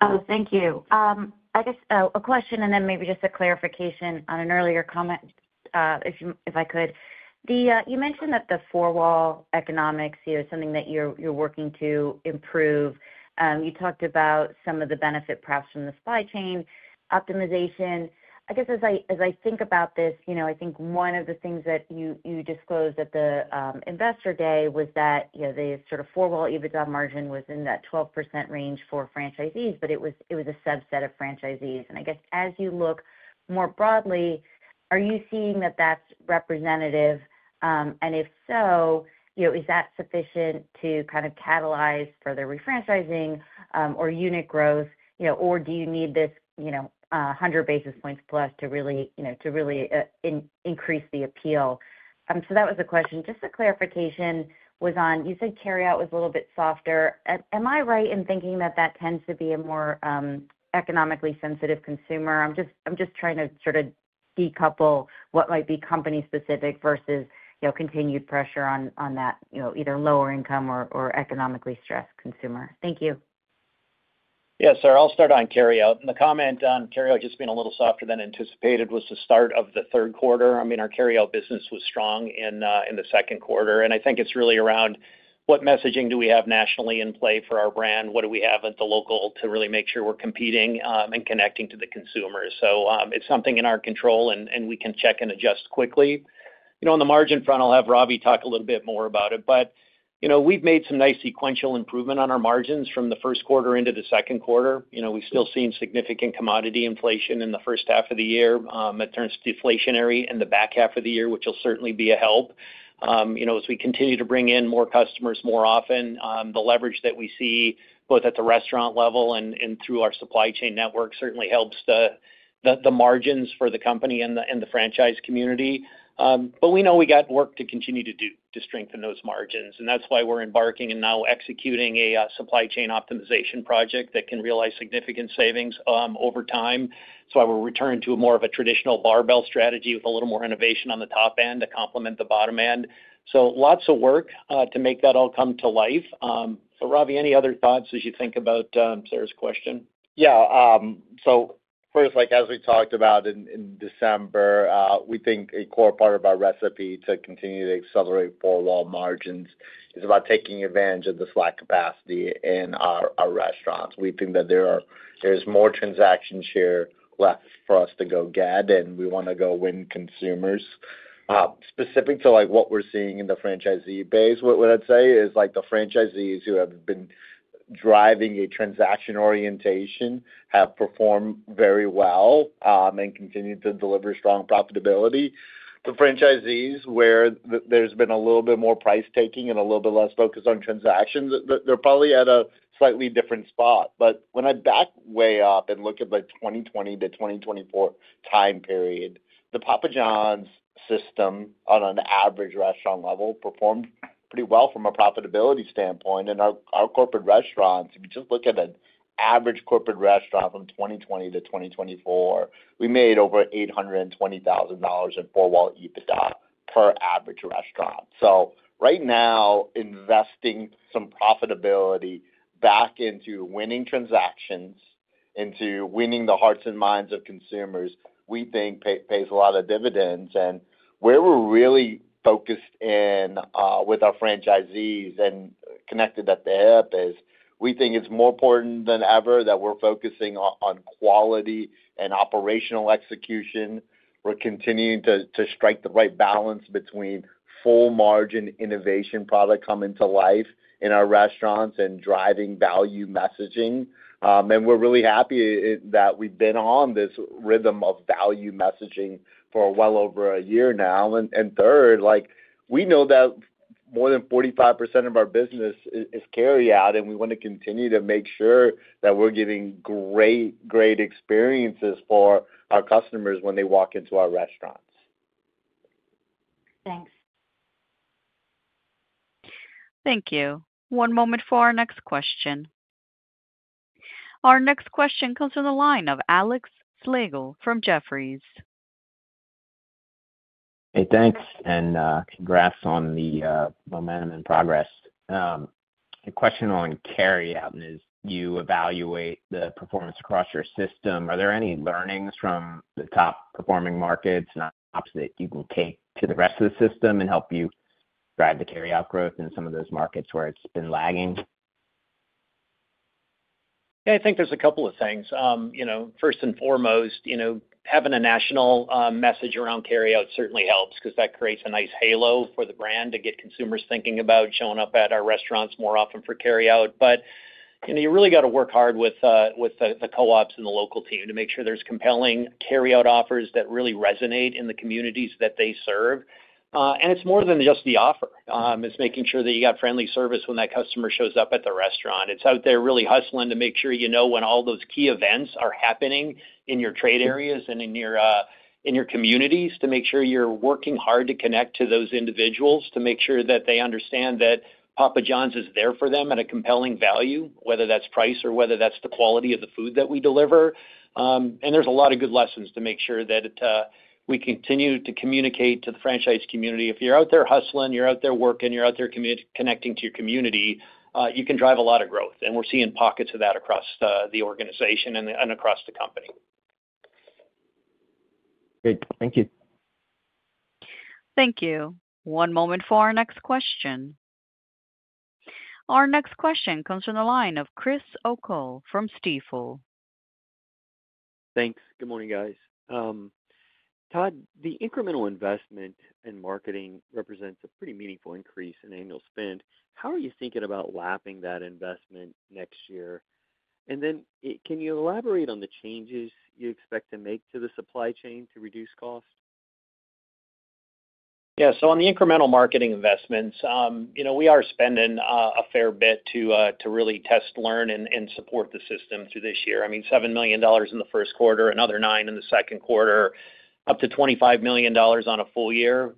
[SPEAKER 6] Oh, thank you. I guess a question and then maybe just a clarification on an earlier comment, if I could. You mentioned that the four-wall economics, you know, it's something that you're working to improve. You talked about some of the benefit perhaps from the supply chain optimization. I guess as I think about this, I think one of the things that you disclosed at the investor day was that the sort of four-wall EBITDA margin was in that 12% range for franchisees, but it was a subset of franchisees. As you look more broadly, are you seeing that that's representative? If so, is that sufficient to kind of catalyze further refranchising or unit growth, or do you need this 100 basis points plus to really increase the appeal? That was the question. Just a clarification was on, you said carryout was a little bit softer. Am I right in thinking that that tends to be a more economically sensitive consumer? I'm just trying to sort of decouple what might be company-specific versus continued pressure on that either lower income or economically stressed consumer. Thank you.
[SPEAKER 3] Yeah, Sarah, I'll start on carryout. The comment on carryout just being a little softer than anticipated was the start of the third quarter. I mean, our carryout business was strong in the second quarter. I think it's really around what messaging do we have nationally in play for our brand. What do we have at the local to really make sure we're competing and connecting to the consumers? It's something in our control, and we can check and adjust quickly. On the margin front, I'll have Ravi talk a little bit more about it. We've made some nice sequential improvement on our margins from the first quarter into the second quarter. We've still seen significant commodity inflation in the first half of the year that turns deflationary in the back half of the year, which will certainly be a help. As we continue to bring in more customers more often, the leverage that we see both at the restaurant level and through our supply chain network certainly helps the margins for the company and the franchise community. We know we got work to continue to do to strengthen those margins. That's why we're embarking and now executing a supply chain optimization project that can realize significant savings over time. That's why we're returning to more of a traditional barbell strategy with a little more innovation on the top end to complement the bottom end. Lots of work to make that all come to life. Ravi, any other thoughts as you think about Sarah's question?
[SPEAKER 4] Yeah, so first, like as we talked about in December, we think a core part of our recipe to continue to accelerate four-wall margins is about taking advantage of the slack capacity in our restaurants. We think that there is more transaction share left for us to go get, and we want to go win consumers. Specific to like what we're seeing in the franchisee base, what I'd say is the franchisees who have been driving a transaction orientation have performed very well and continue to deliver strong profitability. The franchisees where there's been a little bit more price taking and a little bit less focus on transactions, they're probably at a slightly different spot. When I back way up and look at the 2020 to 2024 time period, the Papa John’s system on an average restaurant level performed pretty well from a profitability standpoint. Our corporate restaurants, if you just look at an average corporate restaurant from 2020 to 2024, we made over $820,000 in four-wall EBITDA per average restaurant. Right now, investing some profitability back into winning transactions, into winning the hearts and minds of consumers, we think pays a lot of dividends. Where we're really focused in with our franchisees and connected at the hip is we think it's more important than ever that we're focusing on quality and operational execution. We're continuing to strike the right balance between full margin innovation products coming to life in our restaurants and driving value messaging. We're really happy that we've been on this rhythm of value messaging for well over a year now. Third, we know that more than 45% of our business is carryout, and we want to continue to make sure that we're giving great, great experiences for our customers when they walk into our restaurants.
[SPEAKER 6] Thanks.
[SPEAKER 1] Thank you. One moment for our next question. Our next question comes from the line of Alex Slagle from Jefferies.
[SPEAKER 7] Hey, thanks, and congrats on the momentum in progress. A question on carryout: as you evaluate the performance across your system, are there any learnings from the top performing markets and ops that you can take to the rest of the system and help you drive the carryout growth in some of those markets where it's been lagging?
[SPEAKER 3] Yeah, I think there's a couple of things. First and foremost, having a national message around carryout certainly helps because that creates a nice halo for the brand to get consumers thinking about showing up at our restaurants more often for carryout. You really got to work hard with the co-ops and the local team to make sure there's compelling carryout offers that really resonate in the communities that they serve. It's more than just the offer. It's making sure that you got friendly service when that customer shows up at the restaurant. It's out there really hustling to make sure you know when all those key events are happening in your trade areas and in your communities to make sure you're working hard to connect to those individuals to make sure that they understand that Papa John’s is there for them at a compelling value, whether that's price or whether that's the quality of the food that we deliver. There's a lot of good lessons to make sure that we continue to communicate to the franchise community. If you're out there hustling, you're out there working, you're out there connecting to your community, you can drive a lot of growth. We're seeing pockets of that across the organization and across the company.
[SPEAKER 7] Great, thank you.
[SPEAKER 1] Thank you. One moment for our next question. Our next question comes from the line of Chris O'Cull from Stifel.
[SPEAKER 8] Thanks. Good morning, guys. Todd, the incremental investment in marketing represents a pretty meaningful increase in annual spend. How are you thinking about lapping that investment next year? Can you elaborate on the changes you expect to make to the supply chain to reduce costs?
[SPEAKER 3] Yeah, on the incremental marketing investments, we are spending a fair bit to really test, learn, and support the system through this year. I mean, $7 million in the first quarter, another $9 million in the second quarter, up to $25 million on a full year.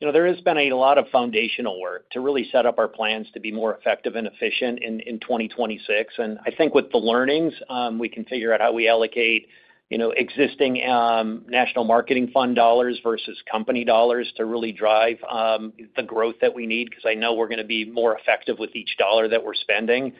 [SPEAKER 3] There has been a lot of foundational work to really set up our plans to be more effective and efficient in 2026. I think with the learnings, we can figure out how we allocate existing national marketing fund dollars versus company dollars to really drive the growth that we need because I know we're going to be more effective with each dollar that we're spending.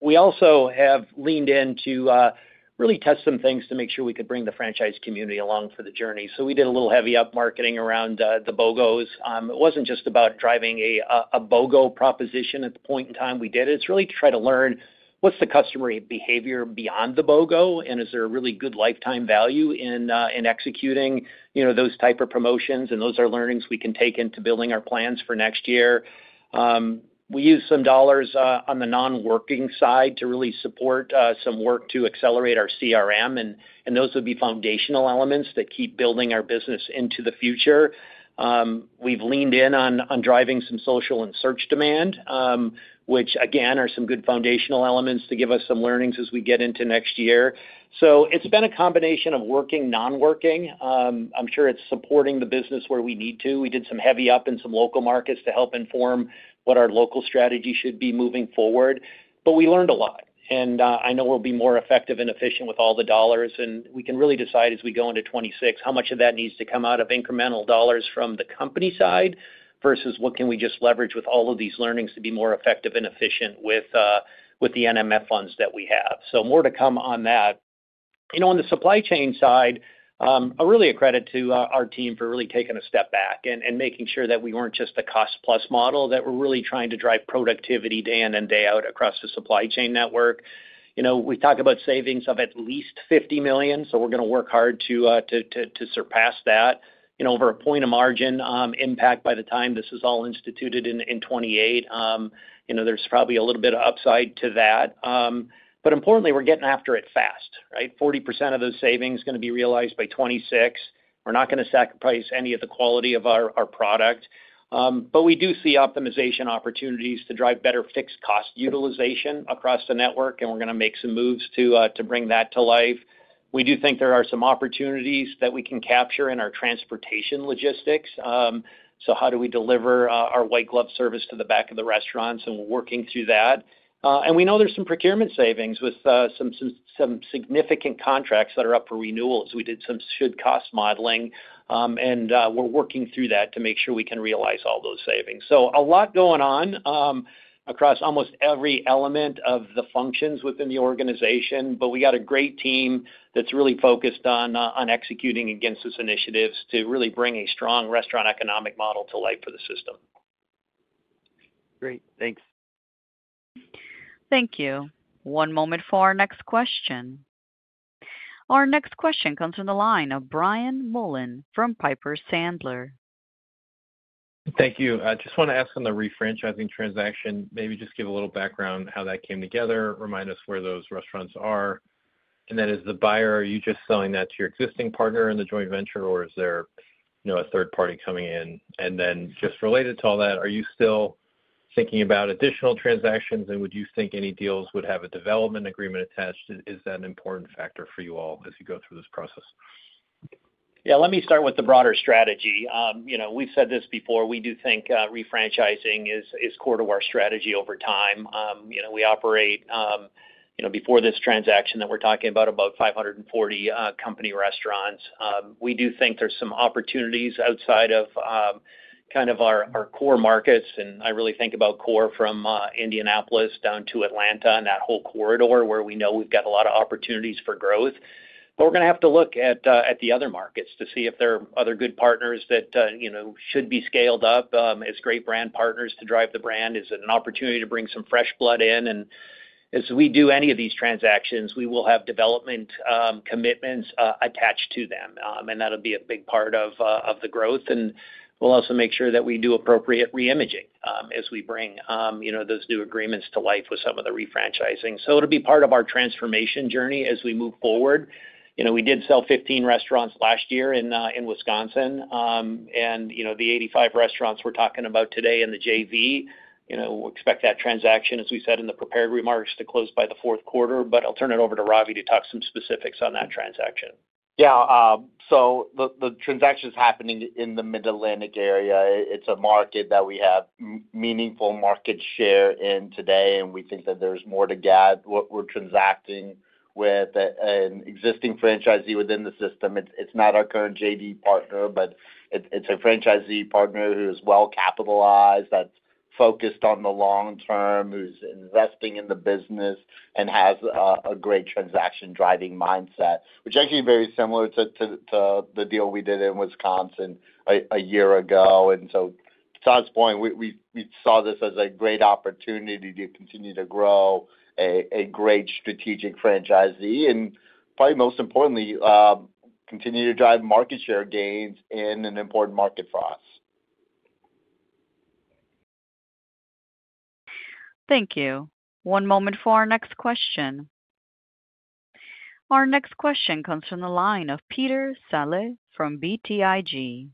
[SPEAKER 3] We also have leaned in to really test some things to make sure we could bring the franchise community along for the journey. We did a little heavy up marketing around the BOGOs. It wasn't just about driving a BOGO proposition at the point in time we did. It's really to try to learn what's the customer behavior beyond the BOGO and is there a really good lifetime value in executing those type of promotions? Those are learnings we can take into building our plans for next year. We use some dollars on the non-working side to really support some work to accelerate our CRM. Those would be foundational elements that keep building our business into the future. We've leaned in on driving some social and search demand, which again are some good foundational elements to give us some learnings as we get into next year. It's been a combination of working, non-working. I'm sure it's supporting the business where we need to. We did some heavy up in some local markets to help inform what our local strategy should be moving forward. We learned a lot. I know we'll be more effective and efficient with all the dollars. We can really decide as we go into 2026 how much of that needs to come out of incremental dollars from the company side versus what can we just leverage with all of these learnings to be more effective and efficient with the NMF funds that we have. More to come on that. On the supply chain side, a real credit to our team for really taking a step back and making sure that we weren't just the cost-plus model, that we're really trying to drive productivity day in and day out across the supply chain network. We talk about savings of at least $50 million. We're going to work hard to surpass that. You know, over a point of margin impact by the time this is all instituted in 2028, you know, there's probably a little bit of upside to that. Importantly, we're getting after it fast, right? 40% of those savings are going to be realized by 2026. We're not going to sacrifice any of the quality of our product. We do see optimization opportunities to drive better fixed cost utilization across the network, and we're going to make some moves to bring that to life. We do think there are some opportunities that we can capture in our transportation logistics. How do we deliver our white glove service to the back of the restaurants? We're working through that. We know there's some procurement savings with some significant contracts that are up for renewals. We did some should cost modeling, and we're working through that to make sure we can realize all those savings. A lot going on across almost every element of the functions within the organization, but we got a great team that's really focused on executing against those initiatives to really bring a strong restaurant economic model to life for the system.
[SPEAKER 8] Great. Thanks.
[SPEAKER 1] Thank you. One moment for our next question. Our next question comes from the line of Brian Mullan from Piper Sandler.
[SPEAKER 9] Thank you. I just want to ask on the refranchising transaction, maybe just give a little background on how that came together, remind us where those restaurants are. As the buyer, are you just selling that to your existing partner in the joint venture, or is there a third party coming in? Just related to all that, are you still thinking about additional transactions, and would you think any deals would have a development agreement attached? Is that an important factor for you all as you go through this process?
[SPEAKER 3] Let me start with the broader strategy. We've said this before. We do think refranchising is core to our strategy over time. We operate, before this transaction that we're talking about, about 540 company restaurants. We do think there's some opportunities outside of our core markets. I really think about core from Indianapolis down to Atlanta and that whole corridor where we know we've got a lot of opportunities for growth. We're going to have to look at the other markets to see if there are other good partners that should be scaled up as great brand partners to drive the brand. Is it an opportunity to bring some fresh blood in? As we do any of these transactions, we will have development commitments attached to them. That'll be a big part of the growth. We'll also make sure that we do appropriate re-imaging as we bring those new agreements to life with some of the refranchising. It'll be part of our transformation journey as we move forward. We did sell 15 restaurants last year in Wisconsin. The 85 restaurants we're talking about today in the JV, we'll expect that transaction, as we said in the prepared remarks, to close by the fourth quarter. I'll turn it over to Ravi to talk some specifics on that transaction.
[SPEAKER 4] Yeah, the transaction is happening in the Mid-Atlantic area. It's a market that we have meaningful market share in today, and we think that there's more to get. We're transacting with an existing franchisee within the system. It's not our current JV partner, but it's a franchisee partner who is well capitalized, focused on the long term, investing in the business, and has a great transaction driving mindset, which actually is very similar to the deal we did in Wisconsin a year ago. To Todd's point, we saw this as a great opportunity to continue to grow a great strategic franchisee and probably most importantly, continue to drive market share gains in an important market for us.
[SPEAKER 1] Thank you. One moment for our next question. Our next question comes from the line of Peter Saleh from BTIG.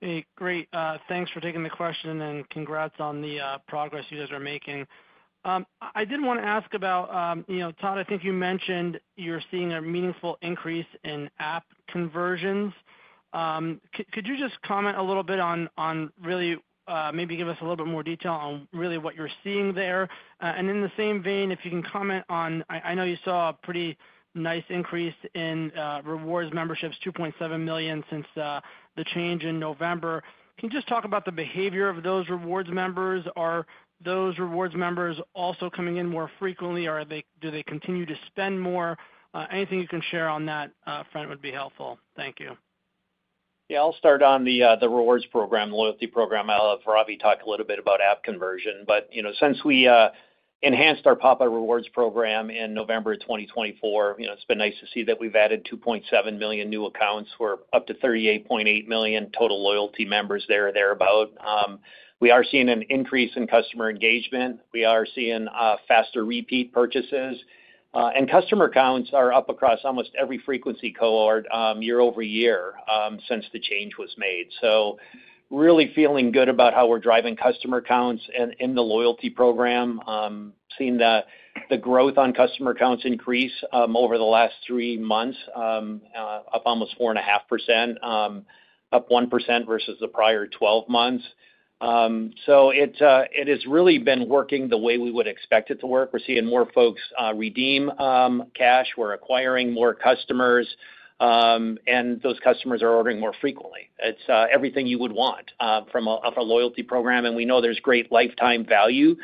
[SPEAKER 10] Hey, great. Thanks for taking the question and congrats on the progress you guys are making. I did want to ask about, you know, Todd, I think you mentioned you're seeing a meaningful increase in app conversions. Could you just comment a little bit on really, maybe give us a little bit more detail on really what you're seeing there? In the same vein, if you can comment on, I know you saw a pretty nice increase in rewards memberships, 2.7 million since the change in November. Can you just talk about the behavior of those rewards members? Are those rewards members also coming in more frequently? Do they continue to spend more? Anything you can share on that front would be helpful. Thank you.
[SPEAKER 3] Yeah, I'll start on the rewards program, the Loyalty Program. I'll have Ravi talk a little bit about app conversion. You know, since we enhanced our Papa Rewards program in November of 2024, it's been nice to see that we've added 2.7 million new accounts for up to 38.8 million total loyalty members there and thereabout. We are seeing an increase in customer engagement. We are seeing faster repeat purchases, and customer accounts are up across almost every frequency cohort year-over-year since the change was made. Really feeling good about how we're driving customer accounts in the Loyalty Program. Seeing the growth on customer accounts increase over the last three months, up almost 4.5%, up 1% versus the prior 12 months. It has really been working the way we would expect it to work. We're seeing more folks redeem cash, we're acquiring more customers, and those customers are ordering more frequently. It's everything you would want from a Loyalty Program, and we know there's great lifetime value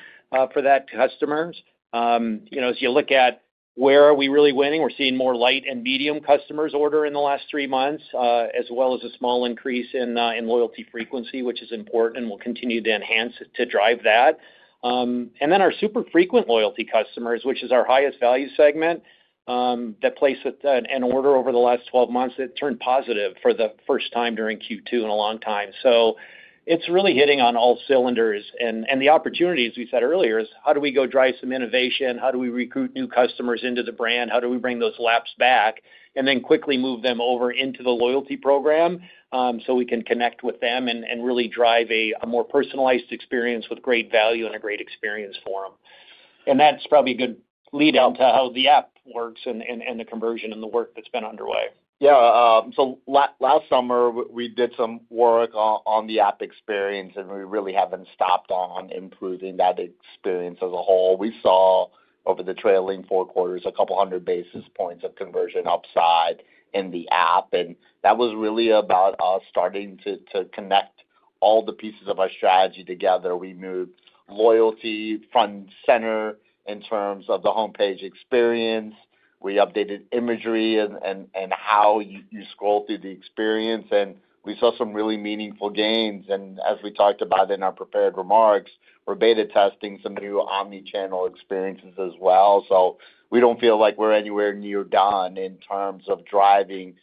[SPEAKER 3] for that customer. As you look at where are we really winning, we're seeing more light and medium customers order in the last three months, as well as a small increase in loyalty frequency, which is important and will continue to enhance to drive that. Our super frequent loyalty customers, which is our highest value segment, that placed an order over the last 12 months, that turned positive for the first time during Q2 in a long time. It's really hitting on all cylinders. The opportunity, as we said earlier, is how do we go drive some innovation? How do we recruit new customers into the brand? How do we bring those laps back and then quickly move them over into the Loyalty Program so we can connect with them and really drive a more personalized experience with great value and a great experience for them? That's probably a good lead-out to how the app works and the conversion and the work that's been underway.
[SPEAKER 4] Yeah, last summer we did some work on the app experience, and we really haven't stopped on improving that experience as a whole. We saw over the trailing four quarters a couple hundred basis points of conversion upside in the app. That was really about us starting to connect all the pieces of our strategy together. We moved loyalty front and center in terms of the homepage experience. We updated imagery and how you scroll through the experience, and we saw some really meaningful gains. As we talked about in our prepared remarks, we're beta testing some new omnichannel experiences as well. We don't feel like we're anywhere near done in terms of driving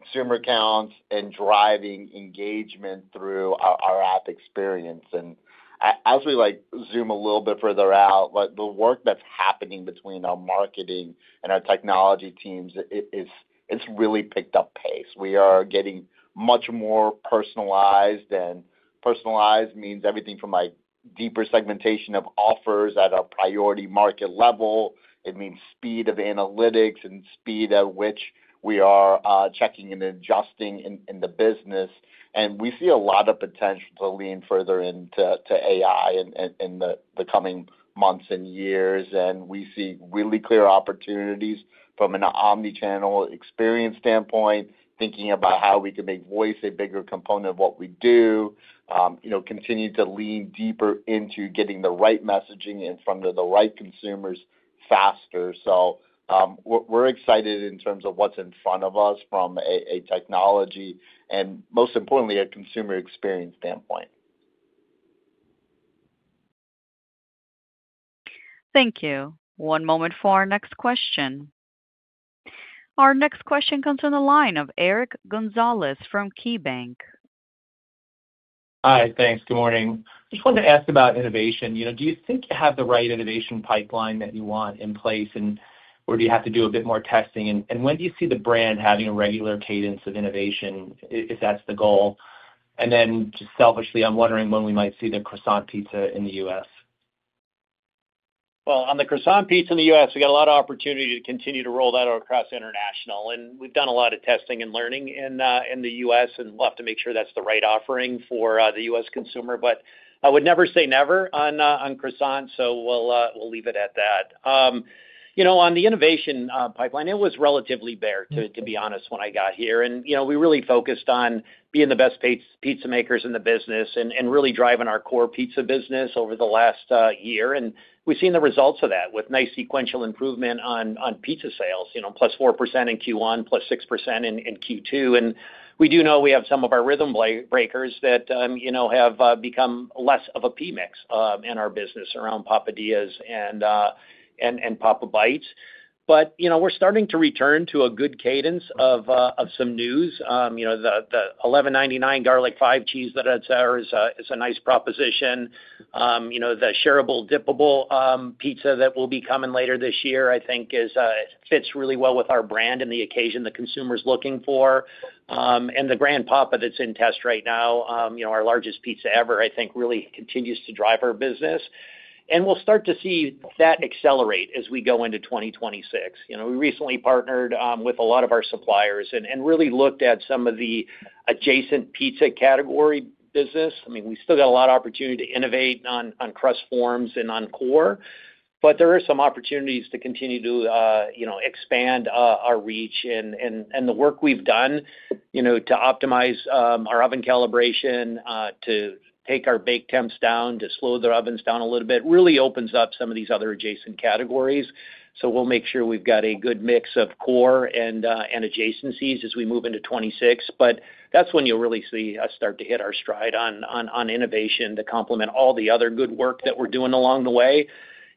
[SPEAKER 4] consumer accounts and driving engagement through our app experience. As we zoom a little bit further out, the work that's happening between our marketing and our technology teams has really picked up pace. We are getting much more personalized, and personalized means everything from deeper segmentation of offers at our priority market level. It means speed of analytics and speed at which we are checking and adjusting in the business. We see a lot of potential to lean further into AI in the coming months and years. We see really clear opportunities from an omnichannel experience standpoint, thinking about how we can make voice a bigger component of what we do. We continue to lean deeper into getting the right messaging in front of the right consumers faster. We're excited in terms of what's in front of us from a technology and, most importantly, a consumer experience standpoint.
[SPEAKER 1] Thank you. One moment for our next question. Our next question comes from the line of Eric Gonzalez from KeyBanc.
[SPEAKER 11] Hi, thanks. Good morning. I just wanted to ask about innovation. Do you think you have the right innovation pipeline that you want in place, or do you have to do a bit more testing? When do you see the brand having a regular cadence of innovation, if that's the goal? Just selfishly, I'm wondering when we might see the Croissant Pizza in the U.S.
[SPEAKER 3] On the Croissant Pizza in the U.S., we got a lot of opportunity to continue to roll that out across international. We have done a lot of testing and learning in the U.S., and we will have to make sure that's the right offering for the U.S. consumer. I would never say never on Croissant, so we'll leave it at that. On the innovation pipeline, it was relatively bare, to be honest, when I got here. We really focused on being the best pizza makers in the business and really driving our core pizza business over the last year. We have seen the results of that with nice sequential improvement on pizza sales, plus 4% in Q1, plus 6% in Q2. We do know we have some of our rhythm breakers that have become less of a P-mix in our business around Papadias and Papa Bites. We are starting to return to a good cadence of some news. The $11.99 Garlic 5-Cheese, etc., is a nice proposition. The shareable, dippable pizza that will be coming later this year, I think, fits really well with our brand and the occasion the consumer is looking for. The Grand Papa that's in test right now, our largest pizza ever, I think, really continues to drive our business. We will start to see that accelerate as we go into 2026. We recently partnered with a lot of our suppliers and really looked at some of the adjacent pizza category business. We still got a lot of opportunity to innovate on crust forms and on core. There are some opportunities to continue to expand our reach. The work we've done to optimize our oven calibration, to take our bake temps down, to slow their ovens down a little bit, really opens up some of these other adjacent categories. We will make sure we've got a good mix of core and adjacencies as we move into 2026. That is when you'll really see us start to hit our stride on innovation to complement all the other good work that we're doing along the way.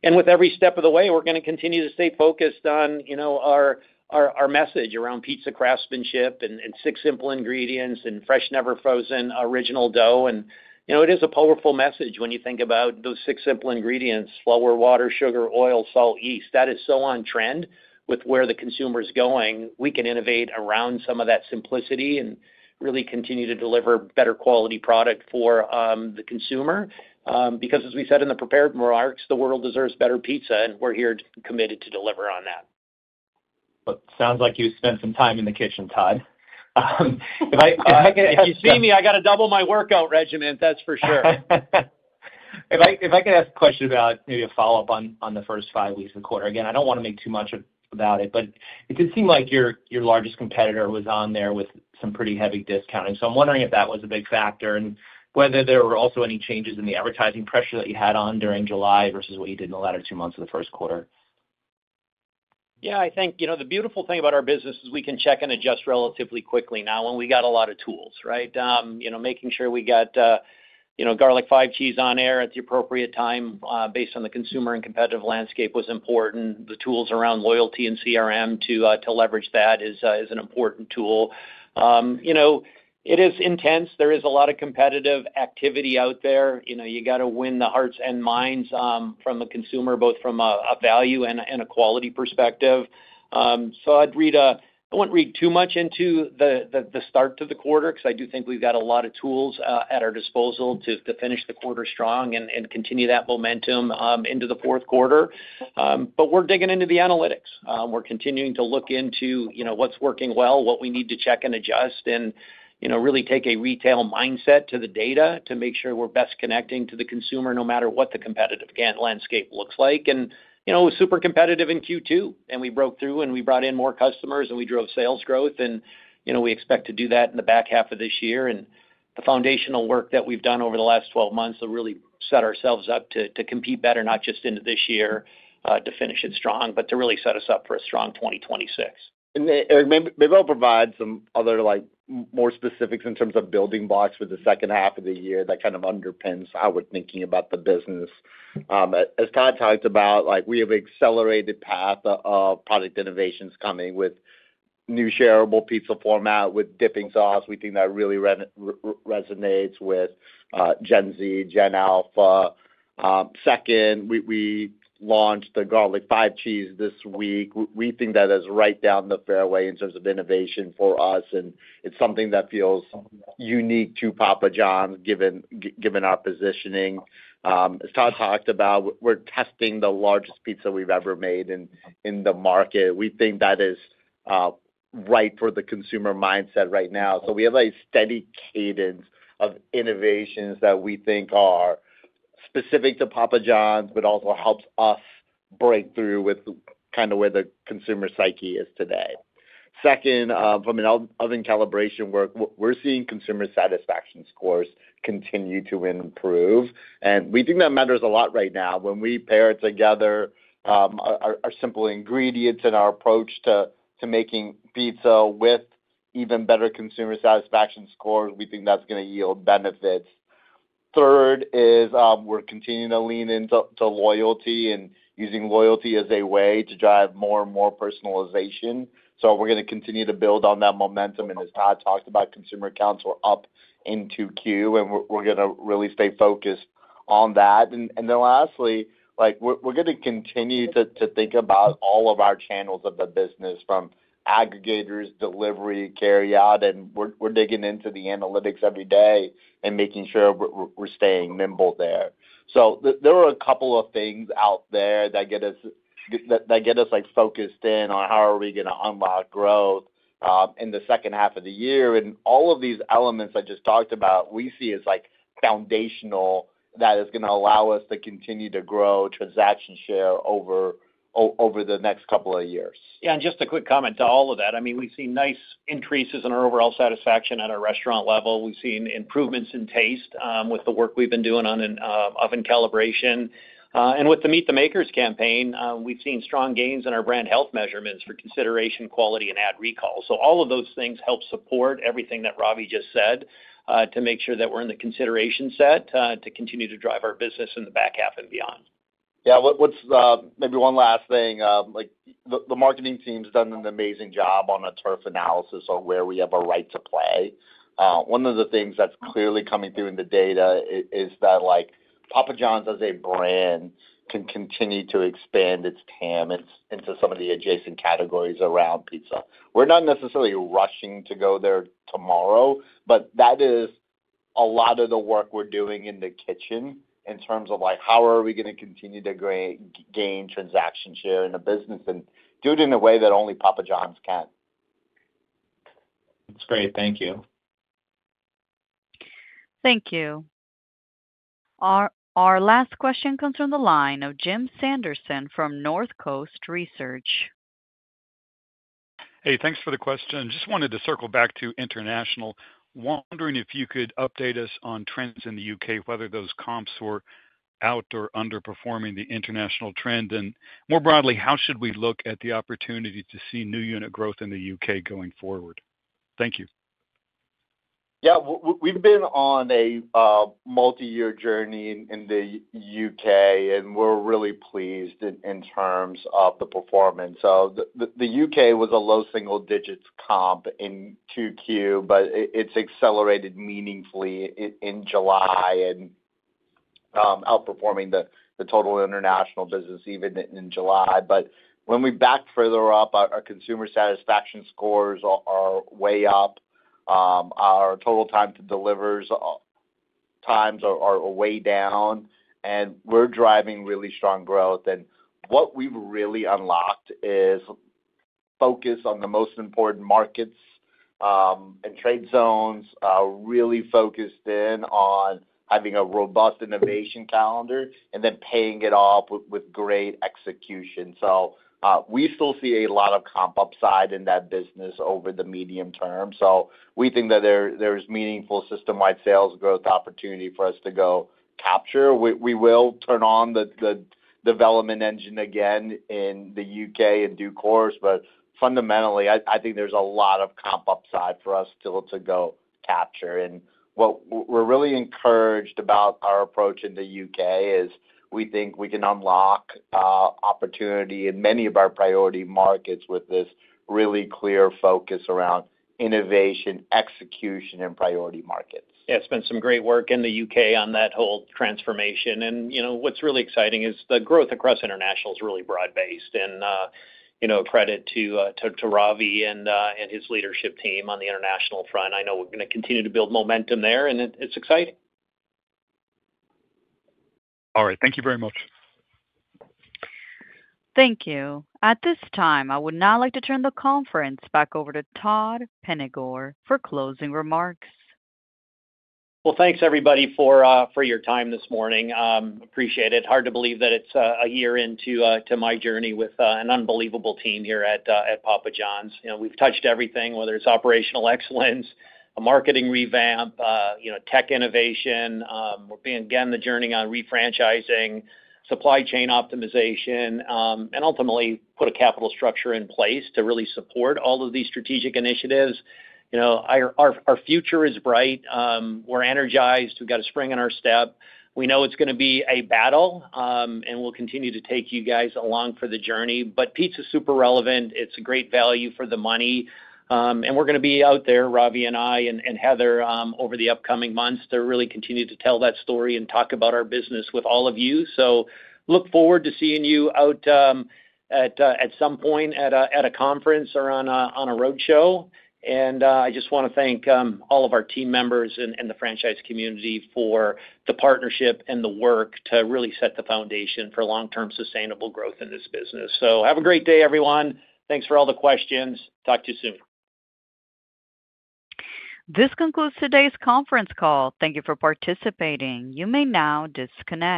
[SPEAKER 3] With every step of the way, we're going to continue to stay focused on our message around pizza craftsmanship and six simple ingredients and fresh, never frozen, original dough. It is a powerful message when you think about those six simple ingredients: flour, water, sugar, oil, salt, yeast. That is so on trend with where the consumer is going. We can innovate around some of that simplicity and really continue to deliver a better quality product for the consumer. As we said in the prepared remarks, the world deserves better pizza, and we're here committed to deliver on that.
[SPEAKER 11] It sounds like you spent some time in the kitchen, Todd.
[SPEAKER 3] If you see me, I got to double my workout regimen, that's for sure.
[SPEAKER 11] If I could ask a question about maybe a follow-up on the first five weeks of the quarter, I don't want to make too much about it, but it did seem like your largest competitor was on there with some pretty heavy discounting. I'm wondering if that was a big factor and whether there were also any changes in the advertising pressure that you had on during July versus what you did in the latter two months of the first quarter.
[SPEAKER 3] Yeah, I think the beautiful thing about our business is we can check and adjust relatively quickly now when we got a lot of tools, right? Making sure we got Garlic 5-Cheese on air at the appropriate time based on the consumer and competitive landscape was important. The tools around loyalty and CRM to leverage that is an important tool. It is intense. There is a lot of competitive activity out there. You got to win the hearts and minds from a consumer, both from a value and a quality perspective. I wouldn't read too much into the start to the quarter because I do think we've got a lot of tools at our disposal to finish the quarter strong and continue that momentum into the fourth quarter. We're digging into the analytics. We're continuing to look into what's working well, what we need to check and adjust, and really take a retail mindset to the data to make sure we're best connecting to the consumer no matter what the competitive landscape looks like. It was super competitive in Q2, and we broke through and we brought in more customers and we drove sales growth. We expect to do that in the back half of this year. The foundational work that we've done over the last 12 months to really set ourselves up to compete better, not just into this year to finish it strong, but to really set us up for a strong 2026.
[SPEAKER 4] Eric, maybe I'll provide some other, more specifics in terms of building blocks for the second half of the year that kind of underpins how we're thinking about the business. As Todd talked about, we have an accelerated path of product innovations coming with new shareable pizza format with dipping sauce. We think that really resonates with Gen Z, Gen Alpha. Second, we launched the Garlic 5-Cheese this week. We think that is right down the fairway in terms of innovation for us, and it's something that feels unique to Papa John’s, given our positioning. As Todd talked about, we're testing the largest pizza we've ever made in the market. We think that is right for the consumer mindset right now. We have a steady cadence of innovations that we think are specific to Papa John’s, but also helps us break through with kind of where the consumer psyche is today. From an oven calibration work, we're seeing consumer satisfaction scores continue to improve, and we think that matters a lot right now when we pair together our simple ingredients and our approach to making pizza with even better consumer satisfaction scores. We think that's going to yield benefits. We're continuing to lean into loyalty and using loyalty as a way to drive more and more personalization. We're going to continue to build on that momentum, and as Todd talked about, consumer accounts were up in 2Q, and we're going to really stay focused on that. Lastly, we're going to continue to think about all of our channels of the business from aggregators, delivery, carryout, and we're digging into the analytics every day and making sure we're staying nimble there. There are a couple of things out there that get us focused in on how are we going to unlock growth in the second half of the year. All of these elements I just talked about, we see as foundational that is going to allow us to continue to grow transaction share over the next couple of years.
[SPEAKER 3] Yeah, just a quick comment to all of that. I mean, we've seen nice increases in our overall satisfaction at our restaurant level. We've seen improvements in taste with the work we've been doing on oven calibration. With the “Meet the Makers” campaign, we've seen strong gains in our brand health measurements for consideration, quality, and ad recall. All of those things help support everything that Ravi just said to make sure that we're in the consideration set to continue to drive our business in the back half and beyond.
[SPEAKER 4] Yeah, what's maybe one last thing? The marketing team's done an amazing job on a turf analysis of where we are. Right. One of the things that's clearly coming through in the data is that, like, Papa John’s as a brand can continue to expand its pants into some of the adjacent categories around pizza. We're not necessarily rushing to go there tomorrow, but that is a lot of the work we're doing in the kitchen in terms of, like, how are we going to continue to gain transaction share in the business and do it in a way that only Papa John’s can.
[SPEAKER 11] It's great. Thank you.
[SPEAKER 1] Thank you. Our last question comes from the line of Jim Sanderson from Northcoast Research.
[SPEAKER 12] Hey, thanks for the question. Just wanted to circle back to international. Wondering if you could update us on trends in the UK, whether those comps were out or underperforming the international trend, and more broadly, how should we look at the opportunity to see new unit growth in the U.K. going forward? Thank you.
[SPEAKER 4] Yeah, we've been on a multi-year journey in the U.K., and we're really pleased in terms of the performance. The U.K. was a low single-digit comp in Q2, but it's accelerated meaningfully in July and is outperforming the total international business even in July. When we back further up, our consumer satisfaction scores are way up, our total time to deliver times are way down, and we're driving really strong growth. What we've really unlocked is focus on the most important markets and trade zones, really focused in on having a robust innovation calendar and then paying it off with great execution. We still see a lot of comp upside in that business over the medium term. We think that there's meaningful system-wide sales growth opportunity for us to go capture. We will turn on the development engine again in the U.K. in due course. Fundamentally, I think there's a lot of comp upside for us still to go capture. What we're really encouraged about our approach in the U.K. is we think we can unlock opportunity in many of our priority markets with this really clear focus around innovation, execution, and priority markets.
[SPEAKER 3] Yeah, it's been some great work in the U.K. on that whole transformation. What's really exciting is the growth across international is really broad-based. Credit to Ravi and his leadership team on the international front. I know we're going to continue to build momentum there, and it's exciting.
[SPEAKER 12] All right, thank you very much.
[SPEAKER 1] Thank you. At this time, I would now like to turn the conference back over to Todd Penegor for closing remarks.
[SPEAKER 3] Thank you, everybody, for your time this morning. Appreciate it. Hard to believe that it's a year into my journey with an unbelievable team here at Papa John’s. We've touched everything, whether it's operational excellence, a marketing revamp, tech innovation, we're again on the journey of refranchising, supply chain optimization, and ultimately put a capital structure in place to really support all of these strategic initiatives. You know our future is bright. We're energized. We've got a spring in our step. We know it's going to be a battle, and we'll continue to take you guys along for the journey. Pizza is super relevant. It's a great value for the money. We're going to be out there, Ravi and I and Heather, over the upcoming months to really continue to tell that story and talk about our business with all of you. I look forward to seeing you out at some point at a conference or on a roadshow. I just want to thank all of our team members and the franchise community for the partnership and the work to really set the foundation for long-term sustainable growth in this business. Have a great day, everyone. Thanks for all the questions. Talk to you soon.
[SPEAKER 1] This concludes today's conference call. Thank you for participating. You may now disconnect.